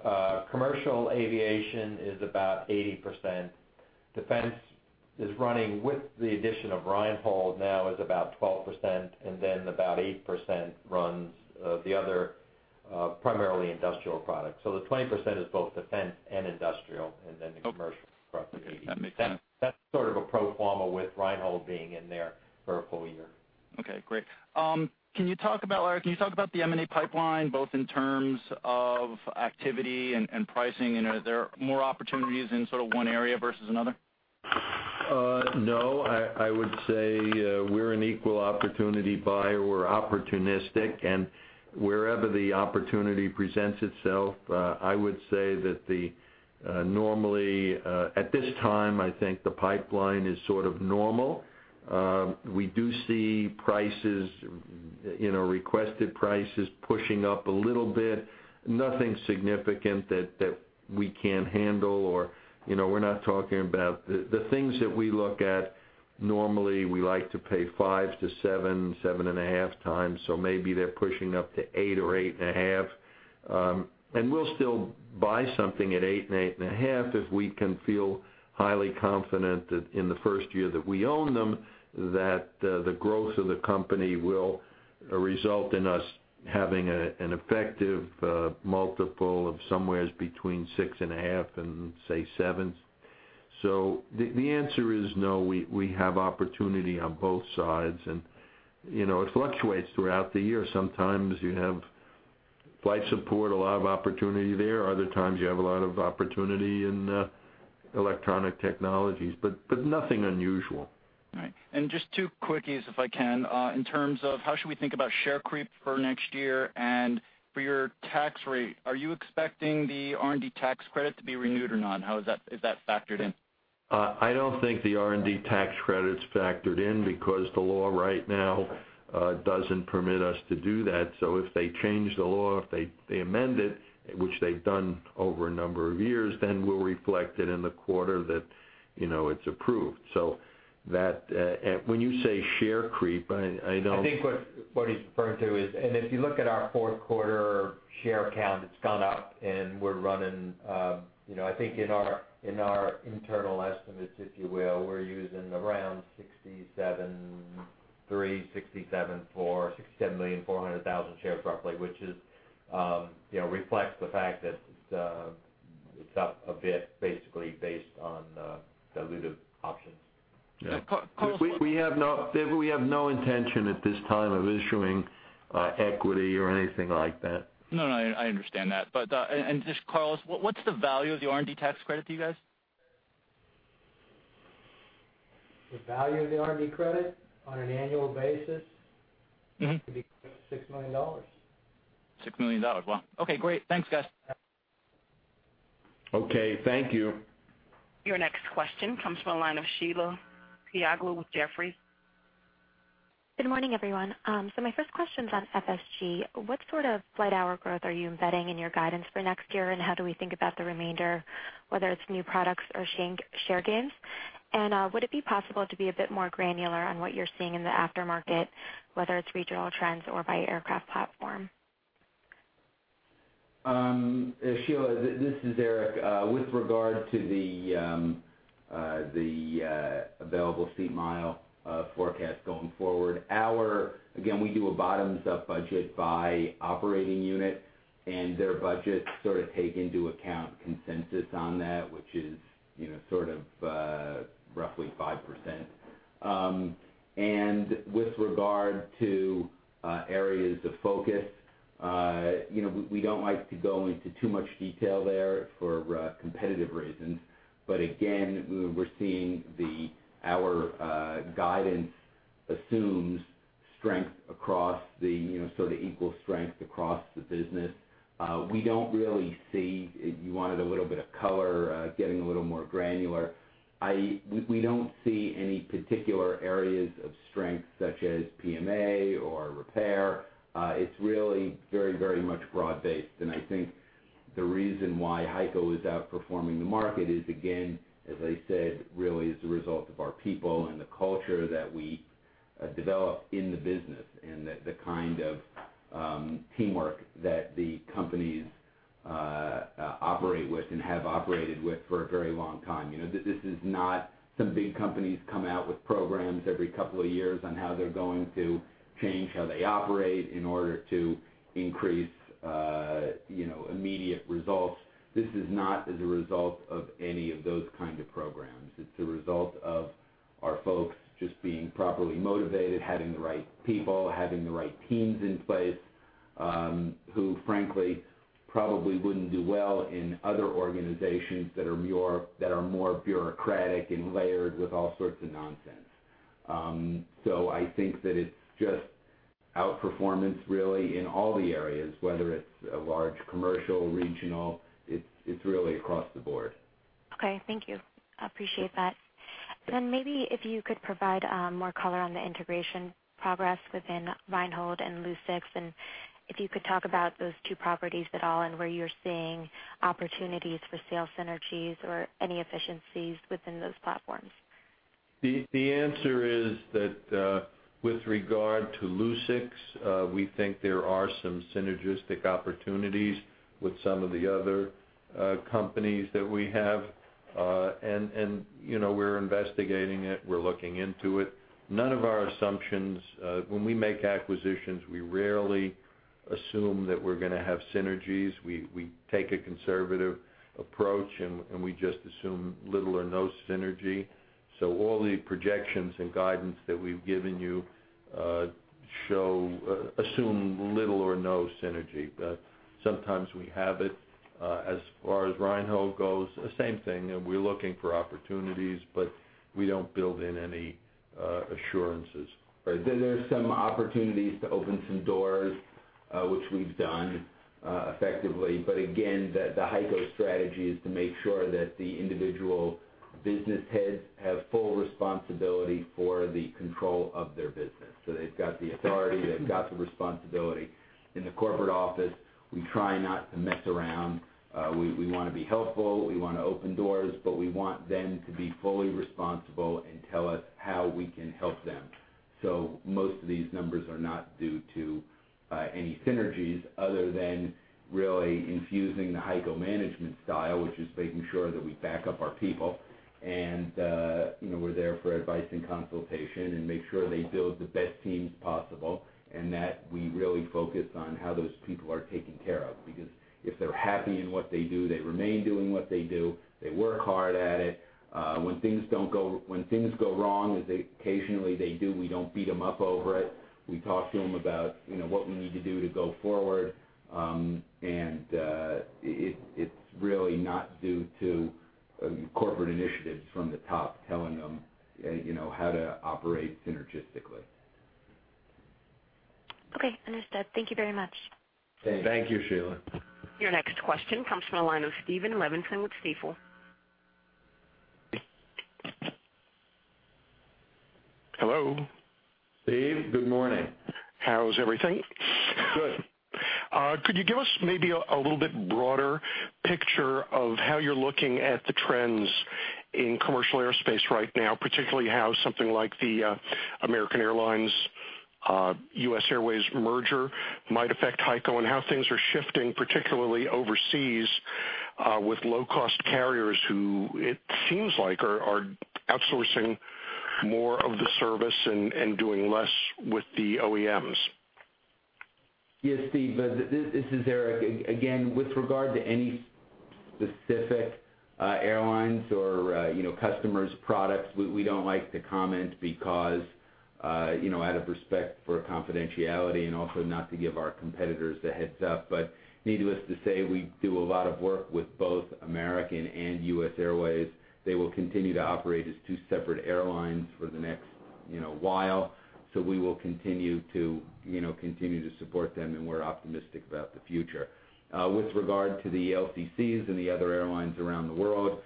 commercial aviation is about 80%. Defense is running with the addition of Reinhold now is about 12%, and then about 8% runs the other, primarily industrial products. The 20% is both defense and industrial, and then the commercial across the 80. Okay. That makes sense. That's sort of a pro forma with Reinhold being in there for a full year. Okay, great. Can you talk about the M&A pipeline, both in terms of activity and pricing? Are there more opportunities in sort of one area versus another? No, I would say we're an equal opportunity buyer. We're opportunistic. Wherever the opportunity presents itself, I would say that normally, at this time, I think the pipeline is sort of normal. We do see requested prices pushing up a little bit. Nothing significant that we can't handle. The things that we look at, normally, we like to pay 5-7, 7.5 times, so maybe they're pushing up to 8 or 8.5. We'll still buy something at 8 and 8.5 if we can feel highly confident that in the first year that we own them, that the growth of the company will result in us having an effective multiple of somewhere between 6.5 and 7. The answer is no. We have opportunity on both sides, and it fluctuates throughout the year. Sometimes you have Flight Support, a lot of opportunity there. Other times, you have a lot of opportunity in Electronic Technologies, nothing unusual. All right. Just two quickies if I can. In terms of how should we think about share creep for next year and for your tax rate, are you expecting the R&D tax credit to be renewed or not? Is that factored in? I don't think the R&D tax credit's factored in because the law right now doesn't permit us to do that. If they change the law, if they amend it, which they've done over a number of years, we'll reflect it in the quarter that it's approved. When you say share creep, I know. I think what he's referring to is, if you look at our fourth quarter share count, it's gone up, and we're running, I think in our internal estimates, if you will, we're using around 67.3, 67.4, 67,400,000 shares roughly, which reflects the fact that it's up a bit, basically based on the diluted options. Yeah. We have no intention at this time of issuing equity or anything like that. No, I understand that. Just, Carlos, what's the value of the R&D tax credit to you guys? The value of the R&D credit on an annual basis? Could be $6 million. $6 million. Wow. Okay, great. Thanks, guys. Okay, thank you. Your next question comes from the line of Sheila Kahyaoglu with Jefferies. Good morning, everyone. My first question's on FSG. What sort of flight hour growth are you embedding in your guidance for next year, and how do we think about the remainder, whether it's new products or share gains? Would it be possible to be a bit more granular on what you're seeing in the aftermarket, whether it's regional trends or by aircraft platform? Sheila, this is Eric. With regard to the available seat mile forecast going forward, again, we do a bottoms-up budget by operating unit, and their budgets sort of take into account consensus on that, which is roughly 5%. With regard to areas of focus, we don't like to go into too much detail there for competitive reasons. Again, we're seeing our guidance assumes equal strength across the business. You wanted a little bit of color, getting a little more granular. We don't see any particular areas of strength, such as PMA or repair. It's really very much broad-based. I think the reason why HEICO is outperforming the market is, again, as I said, really is a result of our people and the culture that we develop in the business, and the kind of teamwork that the companies operate with and have operated with for a very long time. Some big companies come out with programs every couple of years on how they're going to change how they operate in order to increase immediate results. This is not as a result of any of those kind of programs. It's a result of our folks just being properly motivated, having the right people, having the right teams in place, who frankly, probably wouldn't do well in other organizations that are more bureaucratic and layered with all sorts of nonsense. I think that it's just outperformance really in all the areas, whether it's a large commercial, regional, it's really across the board. Okay, thank you. I appreciate that. Maybe if you could provide more color on the integration progress within Reinhold and Lucix, if you could talk about those two properties at all and where you're seeing opportunities for sales synergies or any efficiencies within those platforms. The answer is that with regard to Lucix, we think there are some synergistic opportunities with some of the other companies that we have. We're investigating it, we're looking into it. When we make acquisitions, we rarely assume that we're going to have synergies. We take a conservative approach, we just assume little or no synergy. All the projections and guidance that we've given you assume little or no synergy. Sometimes we have it. As far as Reinhold goes, same thing. We're looking for opportunities, we don't build in any assurances. Right. There's some opportunities to open some doors, which we've done effectively. Again, the HEICO strategy is to make sure that the individual business heads have full responsibility for the control of their business. They've got the authority, they've got the responsibility. In the corporate office, we try not to mess around. We want to be helpful. We want to open doors, we want them to be fully responsible and tell us how we can help them. Most of these numbers are not due to any synergies other than really infusing the HEICO management style, which is making sure that we back up our people and we're there for advice and consultation and make sure they build the best teams possible, and that we really focus on how those people are taken care of. Because if they're happy in what they do, they remain doing what they do. They work hard at it. When things go wrong, as occasionally they do, we don't beat them up over it. We talk to them about what we need to do to go forward. It's really not due to corporate initiatives from the top telling them how to operate synergistically. Okay, understood. Thank you very much. Thank you. Thank you, Sheila. Your next question comes from the line of Steven Levenson with Stifel. Hello. Steve, good morning. How's everything? Good. Could you give us maybe a little bit broader picture of how you're looking at the trends in commercial airspace right now, particularly how something like the American Airlines-US Airways merger might affect HEICO, and how things are shifting, particularly overseas, with low-cost carriers who, it seems like, are outsourcing more of the service and doing less with the OEMs. Yes, Steve. This is Eric. Again, with regard to any specific airlines or customers' products, we don't like to comment because out of respect for confidentiality and also not to give our competitors a heads up. Needless to say, we do a lot of work with both American and US Airways. They will continue to operate as two separate airlines for the next while, so we will continue to support them, and we're optimistic about the future. With regard to the LCCs and the other airlines around the world,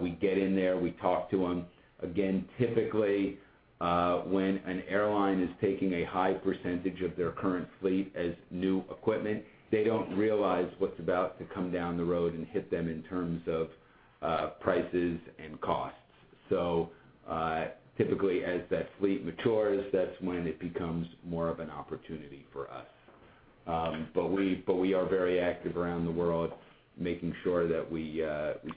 we get in there, we talk to them. Again, typically, when an airline is taking a high percentage of their current fleet as new equipment, they don't realize what's about to come down the road and hit them in terms of prices and costs. Typically, as that fleet matures, that's when it becomes more of an opportunity for us. We are very active around the world, making sure that we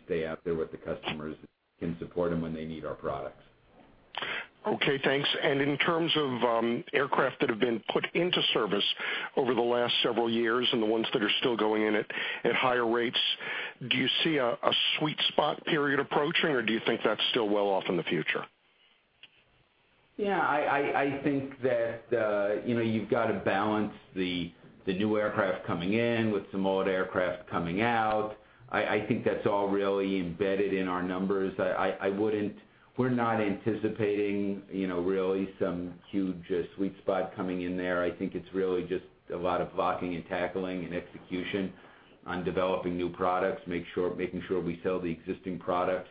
stay out there with the customers, and support them when they need our products. Okay, thanks. In terms of aircraft that have been put into service over the last several years and the ones that are still going in at higher rates, do you see a sweet spot period approaching, or do you think that's still well off in the future? Yeah, I think that you've got to balance the new aircraft coming in with some old aircraft coming out. I think that's all really embedded in our numbers. We're not anticipating really some huge sweet spot coming in there. I think it's really just a lot of blocking and tackling and execution on developing new products, making sure we sell the existing products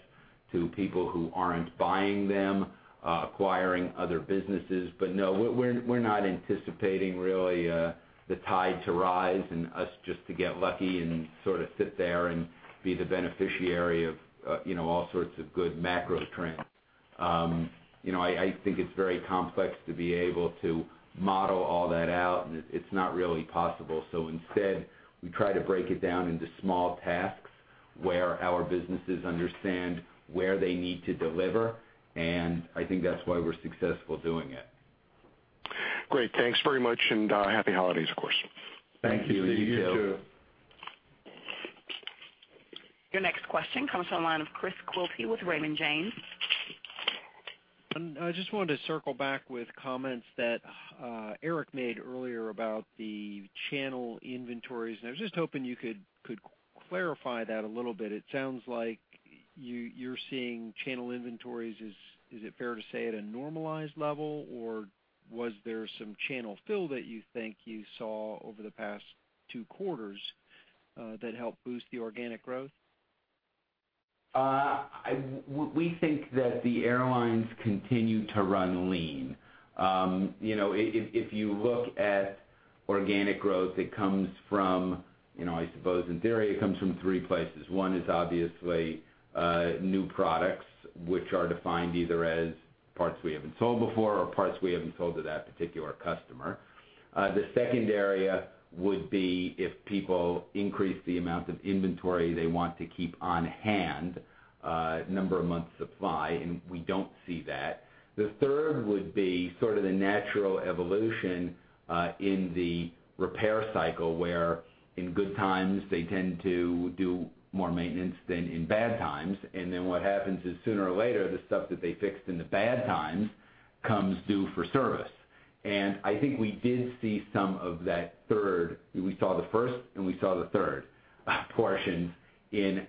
to people who aren't buying them, acquiring other businesses. No, we're not anticipating, really, the tide to rise and us just to get lucky and sort of sit there and be the beneficiary of all sorts of good macro trends. I think it's very complex to be able to model all that out, and it's not really possible. Instead, we try to break it down into small tasks where our businesses understand where they need to deliver, and I think that's why we're successful doing it. Great. Thanks very much, and happy holidays, of course. Thank you. You too. Thank you. You too. Your next question comes from the line of Chris Quilty with Raymond James. I just wanted to circle back with comments that Eric made earlier about the channel inventories. I was just hoping you could clarify that a little bit. It sounds like you're seeing channel inventories, is it fair to say, at a normalized level, or was there some channel fill that you think you saw over the past two quarters that helped boost the organic growth? We think that the airlines continue to run lean. If you look at organic growth, it comes from, I suppose in theory, it comes from three places. One is obviously new products, which are defined either as parts we haven't sold before or parts we haven't sold to that particular customer. The second area would be if people increase the amount of inventory they want to keep on hand, number of months supply, we don't see that. The third would be sort of the natural evolution in the repair cycle, where in good times, they tend to do more maintenance than in bad times. What happens is, sooner or later, the stuff that they fixed in the bad times comes due for service. I think we did see some of that third. We saw the first, and we saw the third portions in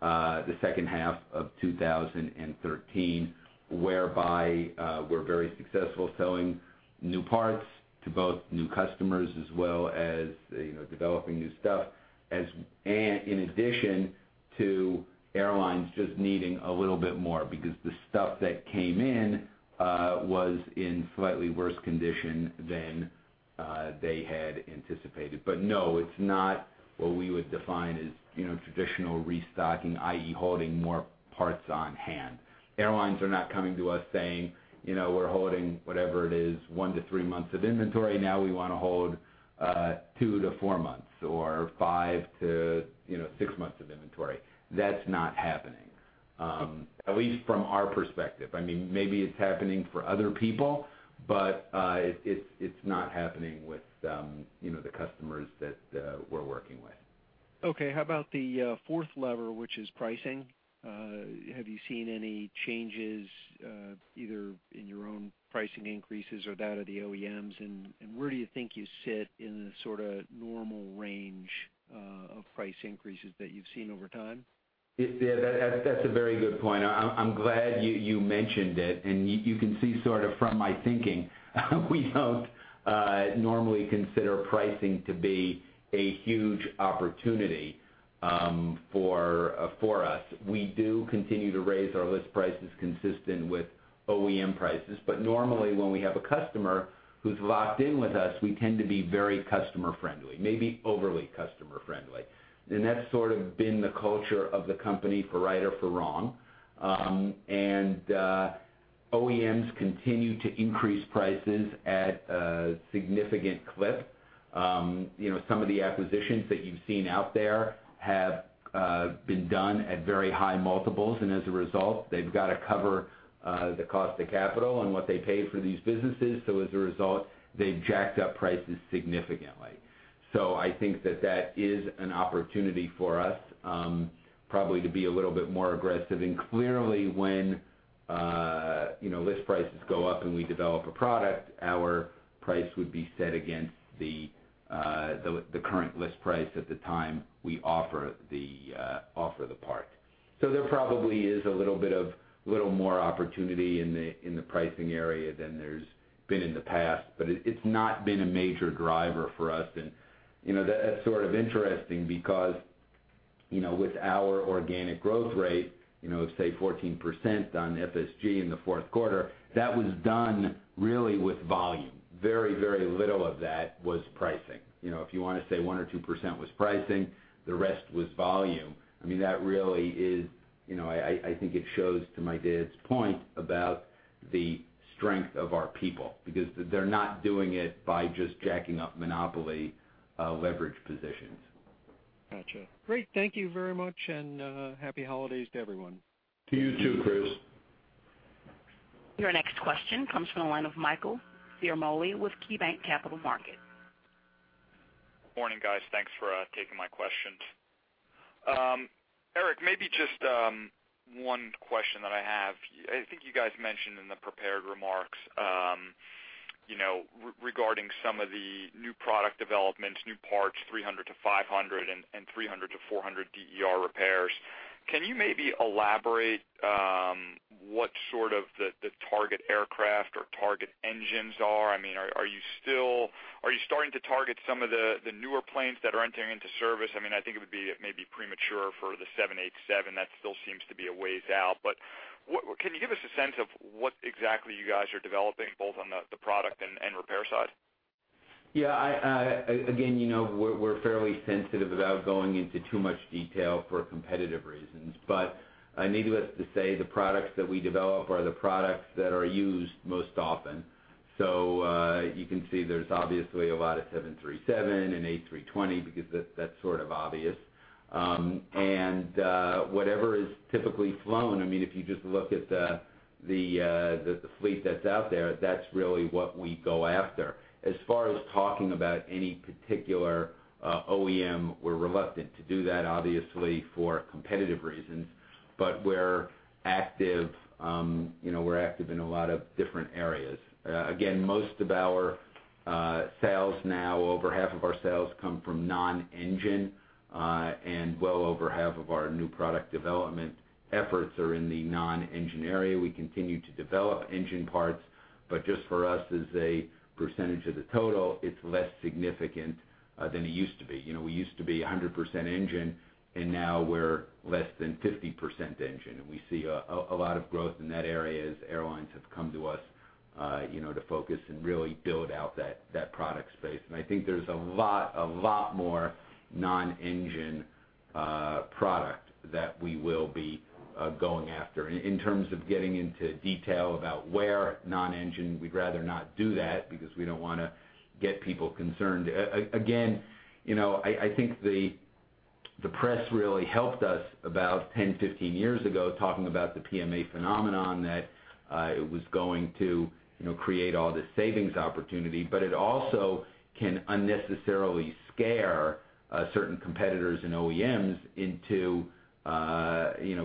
the second half of 2013, whereby we're very successful selling new parts to both new customers as well as developing new stuff, in addition to airlines just needing a little bit more, because the stuff that came in was in slightly worse condition than they had anticipated. No, it's not what we would define as traditional restocking, i.e., holding more parts on hand. Airlines are not coming to us saying, "We're holding," whatever it is, "one to three months of inventory. Now we want to hold two to four months or five to six months of inventory." That's not happening, at least from our perspective. Maybe it's happening for other people, but it's not happening with the customers that we're working with. Okay, how about the fourth lever, which is pricing? Have you seen any changes, either in your own pricing increases or that of the OEMs, where do you think you sit in the sort of normal range of price increases that you've seen over time? Yeah. That's a very good point. I'm glad you mentioned it. You can see sort of from my thinking, we don't normally consider pricing to be a huge opportunity for us. We do continue to raise our list prices consistent with OEM prices, normally when we have a customer who's locked in with us, we tend to be very customer friendly, maybe overly customer friendly. That's sort of been the culture of the company for right or for wrong. OEMs continue to increase prices at a significant clip. Some of the acquisitions that you've seen out there have been done at very high multiples, and as a result, they've got to cover the cost of capital and what they pay for these businesses. As a result, they've jacked up prices significantly. I think that that is an opportunity for us, probably to be a little bit more aggressive. Clearly when list prices go up and we develop a product, our price would be set against the current list price at the time we offer the part. There probably is a little bit of more opportunity in the pricing area than there's been in the past, but it's not been a major driver for us. That's sort of interesting because with our organic growth rate, let's say 14% on FSG in the fourth quarter, that was done really with volume. Very, very little of that was pricing. If you want to say 1% or 2% was pricing, the rest was volume. I think it shows to my dad's point about the strength of our people, because they're not doing it by just jacking up monopoly leverage positions. Got you. Great. Thank you very much, and happy holidays to everyone. To you, too, Chris. Your next question comes from the line of Michael Abramov with KeyBanc Capital Markets. Morning, guys. Thanks for taking my questions. Eric, maybe just one question that I have. I think you guys mentioned in the prepared remarks regarding some of the new product developments, new parts 300-500 and 300-400 DER repairs. Can you maybe elaborate what sort of the target aircraft or target engines are? Are you starting to target some of the newer planes that are entering into service? I think it would be maybe premature for the 787. That still seems to be a ways out. Can you give us a sense of what exactly you guys are developing, both on the product and repair side? Yeah. Again, we're fairly sensitive about going into too much detail for competitive reasons, needless to say, the products that we develop are the products that are used most often. You can see there's obviously a lot of 737 and A320 because that's sort of obvious. Whatever is typically flown, if you just look at the fleet that's out there, that's really what we go after. As far as talking about any particular OEM, we're reluctant to do that, obviously, for competitive reasons, but we're active in a lot of different areas. Again, most of our sales now, over half of our sales come from non-engine, and well over half of our new product development efforts are in the non-engine area. We continue to develop engine parts, but just for us as a percentage of the total, it's less significant than it used to be. We used to be 100% engine, and now we're less than 50% engine, and we see a lot of growth in that area as airlines have come to us to focus and really build out that product space. I think there's a lot more non-engine product that we will be going after. In terms of getting into detail about where non-engine, we'd rather not do that because we don't want to get people concerned. Again, I think the press really helped us about 10, 15 years ago, talking about the PMA phenomenon, that it was going to create all this savings opportunity. It also can unnecessarily scare certain competitors and OEMs into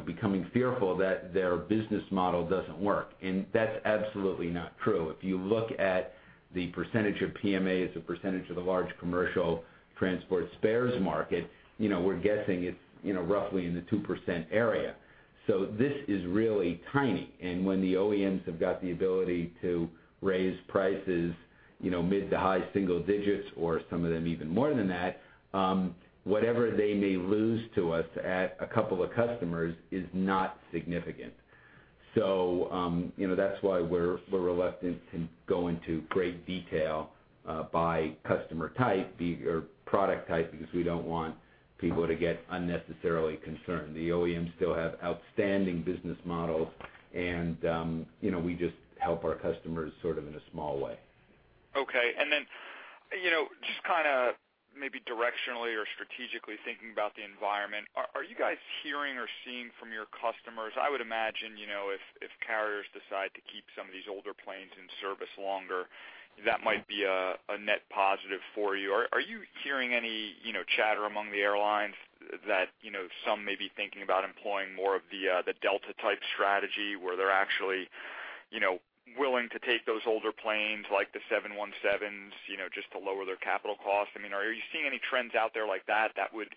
becoming fearful that their business model doesn't work, and that's absolutely not true. If you look at the percentage of PMA as a percentage of the large commercial transport spares market, we're guessing it's roughly in the 2% area. This is really tiny. When the OEMs have got the ability to raise prices mid to high single digits, or some of them even more than that, whatever they may lose to us at a couple of customers is not significant. That's why we're reluctant to go into great detail by customer type, or product type, because we don't want people to get unnecessarily concerned. The OEMs still have outstanding business models, and we just help our customers sort of in a small way. Okay. Just maybe directionally or strategically thinking about the environment, are you guys hearing or seeing from your customers, I would imagine, if carriers decide to keep some of these older planes in service longer, that might be a net positive for you. Are you hearing any chatter among the airlines that some may be thinking about employing more of the Delta type strategy, where they're actually willing to take those older planes, like the 717s, just to lower their capital costs? I mean, are you seeing any trends out there like that that would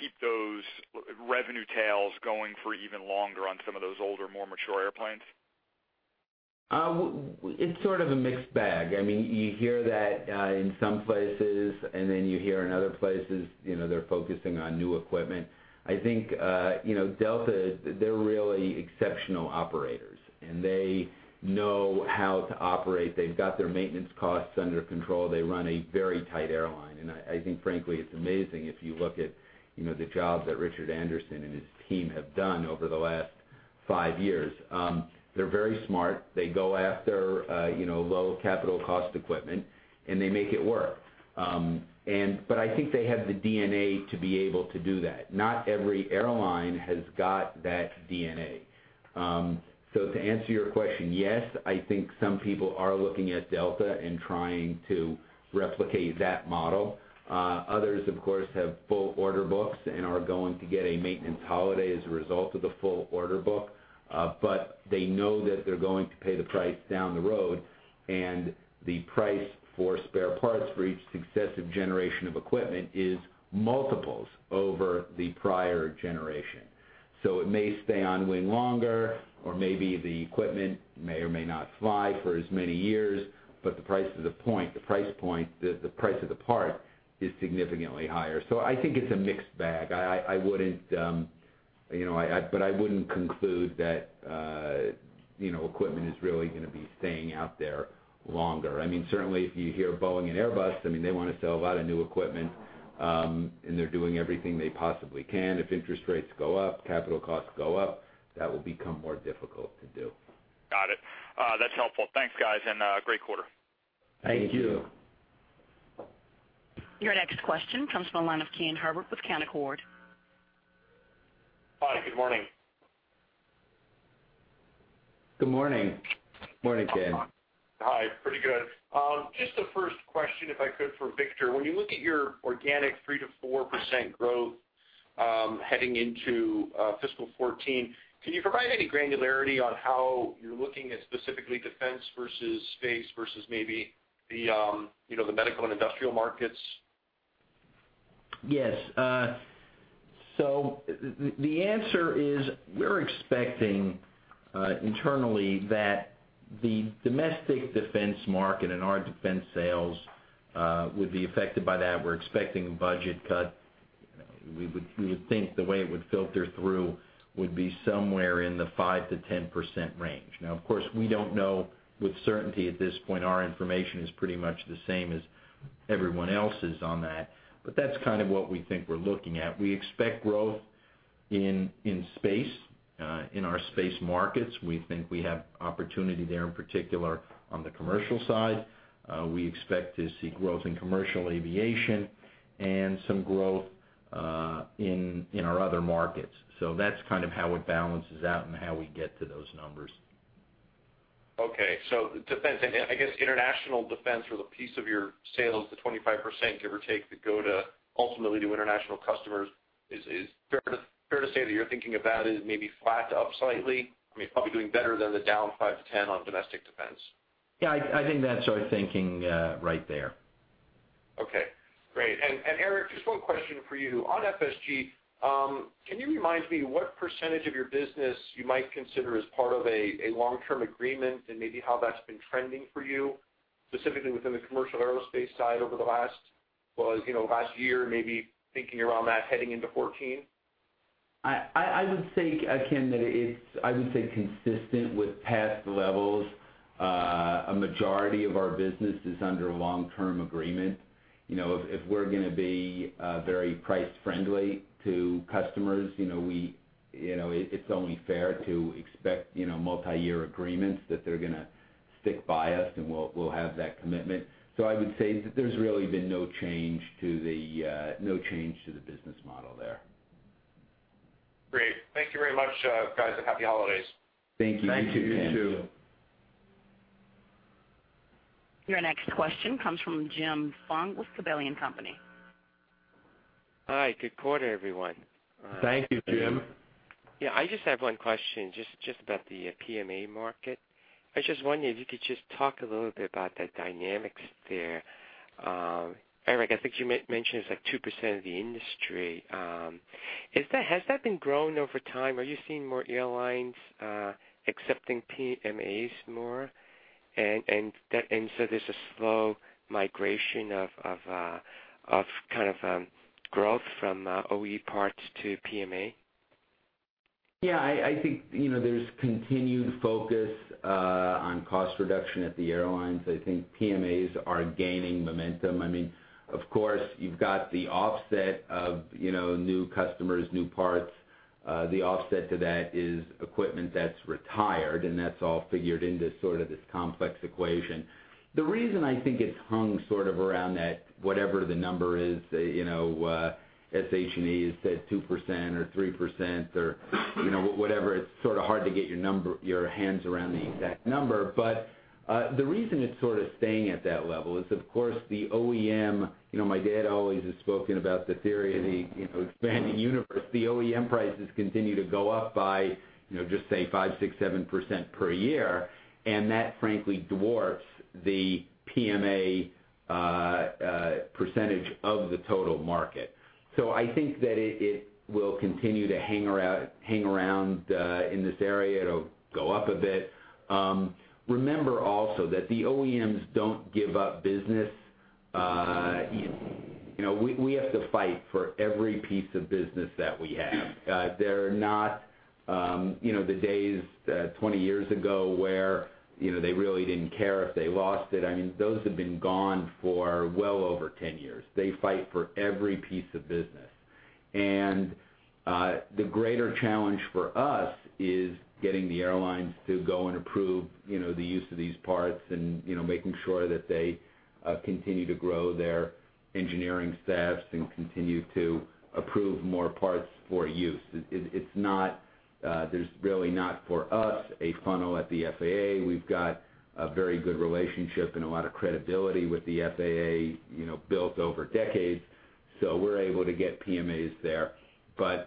keep those revenue tails going for even longer on some of those older, more mature airplanes? It's sort of a mixed bag. You hear that in some places, you hear in other places they're focusing on new equipment. I think Delta, they're really exceptional operators, and they know how to operate. They've got their maintenance costs under control. They run a very tight airline. I think frankly, it's amazing if you look at the job that Richard Anderson and his team have done over the last five years. They're very smart. They go after low capital cost equipment, and they make it work. I think they have the DNA to be able to do that. Not every airline has got that DNA. To answer your question, yes, I think some people are looking at Delta and trying to replicate that model. Others, of course, have full order books and are going to get a maintenance holiday as a result of the full order book. They know that they're going to pay the price down the road, and the price for spare parts for each successive generation of equipment is multiples over the prior generation. It may stay on wing longer, or maybe the equipment may or may not fly for as many years, but the price of the part is significantly higher. I think it's a mixed bag. I wouldn't conclude that equipment is really going to be staying out there longer. Certainly, if you hear Boeing and Airbus, they want to sell a lot of new equipment, and they're doing everything they possibly can. If interest rates go up, capital costs go up, that will become more difficult to do. Got it. That's helpful. Thanks, guys, and great quarter. Thank you. Thank you. Your next question comes from the line of Ken Herbert with Canaccord. Hi, good morning. Good morning. Morning, Ken. Hi. Pretty good. Just the first question, if I could, for Victor. When you look at your organic 3%-4% growth heading into fiscal 2014, can you provide any granularity on how you're looking at specifically defense versus space versus maybe the medical and industrial markets? Yes. The answer is, we're expecting internally that the domestic defense market and our defense sales would be affected by that. We're expecting a budget cut. We would think the way it would filter through would be somewhere in the 5%-10% range. Of course, we don't know with certainty at this point. Our information is pretty much the same as everyone else's on that. That's kind of what we think we're looking at. We expect growth in space, in our space markets. We think we have opportunity there, in particular on the commercial side. We expect to see growth in commercial aviation and some growth in our other markets. That's kind of how it balances out and how we get to those numbers. Okay. Defense, I guess international defense or the piece of your sales, the 25%, give or take, that go to ultimately to international customers is, fair to say that you're thinking of that as maybe flat to up slightly? I mean, probably doing better than the down 5%-10% on domestic defense. Yeah, I think that's our thinking right there. Okay, great. Eric, just one question for you. On FSG, can you remind me what percentage of your business you might consider as part of a long-term agreement and maybe how that's been trending for you, specifically within the commercial aerospace side over the last year, maybe thinking around that heading into 2014? I would say, Ken, that it's consistent with past levels. A majority of our business is under long-term agreement. If we're going to be very price friendly to customers, it's only fair to expect multi-year agreements that they're going to stick by us and we'll have that commitment. I would say that there's really been no change to the business model there. Great. Thank you very much, guys, happy holidays. Thank you. You too. Thank you. You too. Your next question comes from Jim Fong with Gabelli & Company. Hi, good quarter, everyone. Thank you, Jim. I just have one question just about the PMA market. I was just wondering if you could just talk a little bit about the dynamics there. Eric, I think you mentioned it's like 2% of the industry. Has that been growing over time? Are you seeing more airlines accepting PMAs more, and so there's a slow migration of growth from OE parts to PMA? I think, there's continued focus on cost reduction at the airlines. I think PMAs are gaining momentum. Of course, you've got the offset of new customers, new parts. The offset to that is equipment that's retired, and that's all figured into this complex equation. The reason I think it's hung around that, whatever the number is, SH&E has said 2% or 3% or whatever, it's sort of hard to get your hands around the exact number. The reason it's staying at that level is of course the OEM. My dad always has spoken about the theory of the expanding universe. The OEM prices continue to go up by, just say 5%, 6%, 7% per year, and that frankly dwarfs the PMA percentage of the total market. I think that it will continue to hang around in this area. It'll go up a bit. Remember also that the OEMs don't give up business. We have to fight for every piece of business that we have. The days 20 years ago, where they really didn't care if they lost it, those have been gone for well over 10 years. They fight for every piece of business. The greater challenge for us is getting the airlines to go and approve the use of these parts and making sure that they continue to grow their engineering staffs and continue to approve more parts for use. There's really not for us, a funnel at the FAA. We've got a very good relationship and a lot of credibility with the FAA, built over decades. We're able to get PMAs there.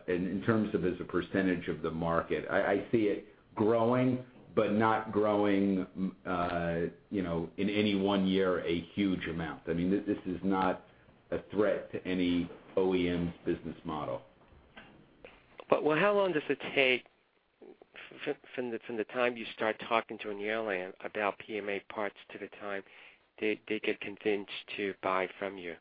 In terms of as a percentage of the market, I see it growing, but not growing in any one year a huge amount. This is not a threat to any OEM's business model. How long does it take from the time you start talking to an airline about PMA parts to the time they get convinced to buy from you?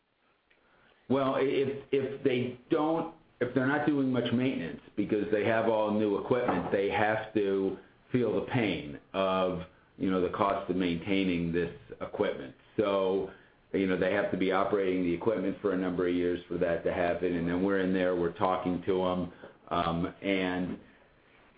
If they're not doing much maintenance because they have all new equipment, they have to feel the pain of the cost of maintaining this equipment. They have to be operating the equipment for a number of years for that to happen. Then we're in there, we're talking to them, and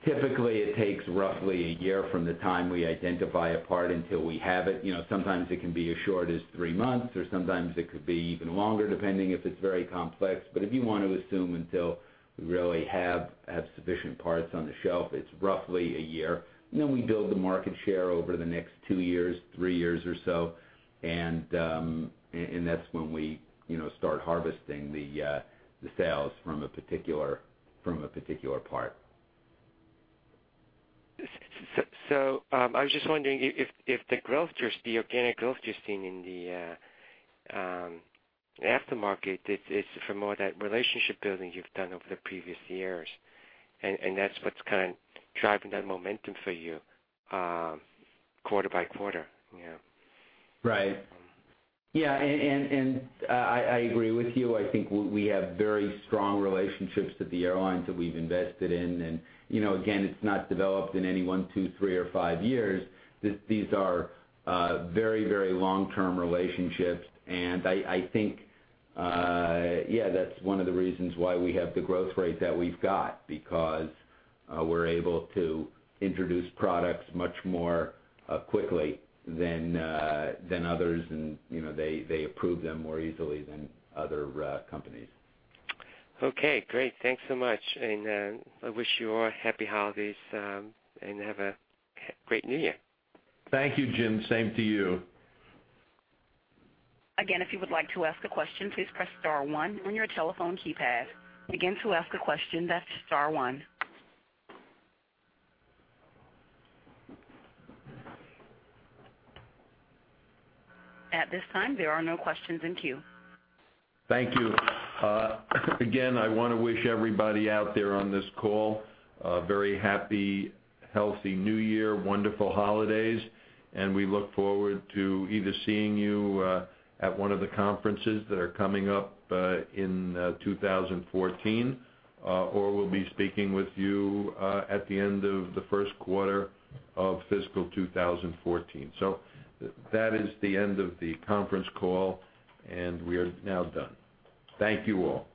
typically it takes roughly a year from the time we identify a part until we have it. Sometimes it can be as short as three months, or sometimes it could be even longer, depending if it's very complex. If you want to assume until we really have sufficient parts on the shelf, it's roughly a year, and then we build the market share over the next two years, three years or so. That's when we start harvesting the sales from a particular part. I was just wondering if the organic growth you're seeing in the aftermarket, it's from all that relationship building you've done over the previous years, and that's what's kind of driving that momentum for you quarter by quarter. Right. Yeah, I agree with you. I think we have very strong relationships with the airlines that we've invested in, again, it's not developed in any one, two, three, or five years. These are very long-term relationships, I think, yeah, that's one of the reasons why we have the growth rate that we've got, because we're able to introduce products much more quickly than others and, they approve them more easily than other companies. Okay, great. Thanks so much, and I wish you all happy holidays, and have a great new year. Thank you, Jim. Same to you. Again, if you would like to ask a question, please press star one on your telephone keypad. Again, to ask a question, that's star one. At this time, there are no questions in queue. Thank you. Again, I want to wish everybody out there on this call a very happy, healthy new year, wonderful holidays, and we look forward to either seeing you at one of the conferences that are coming up in 2014, or we'll be speaking with you at the end of the first quarter of fiscal 2014. That is the end of the conference call, and we are now done. Thank you all.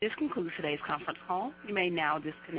This concludes today's conference call. You may now disconnect.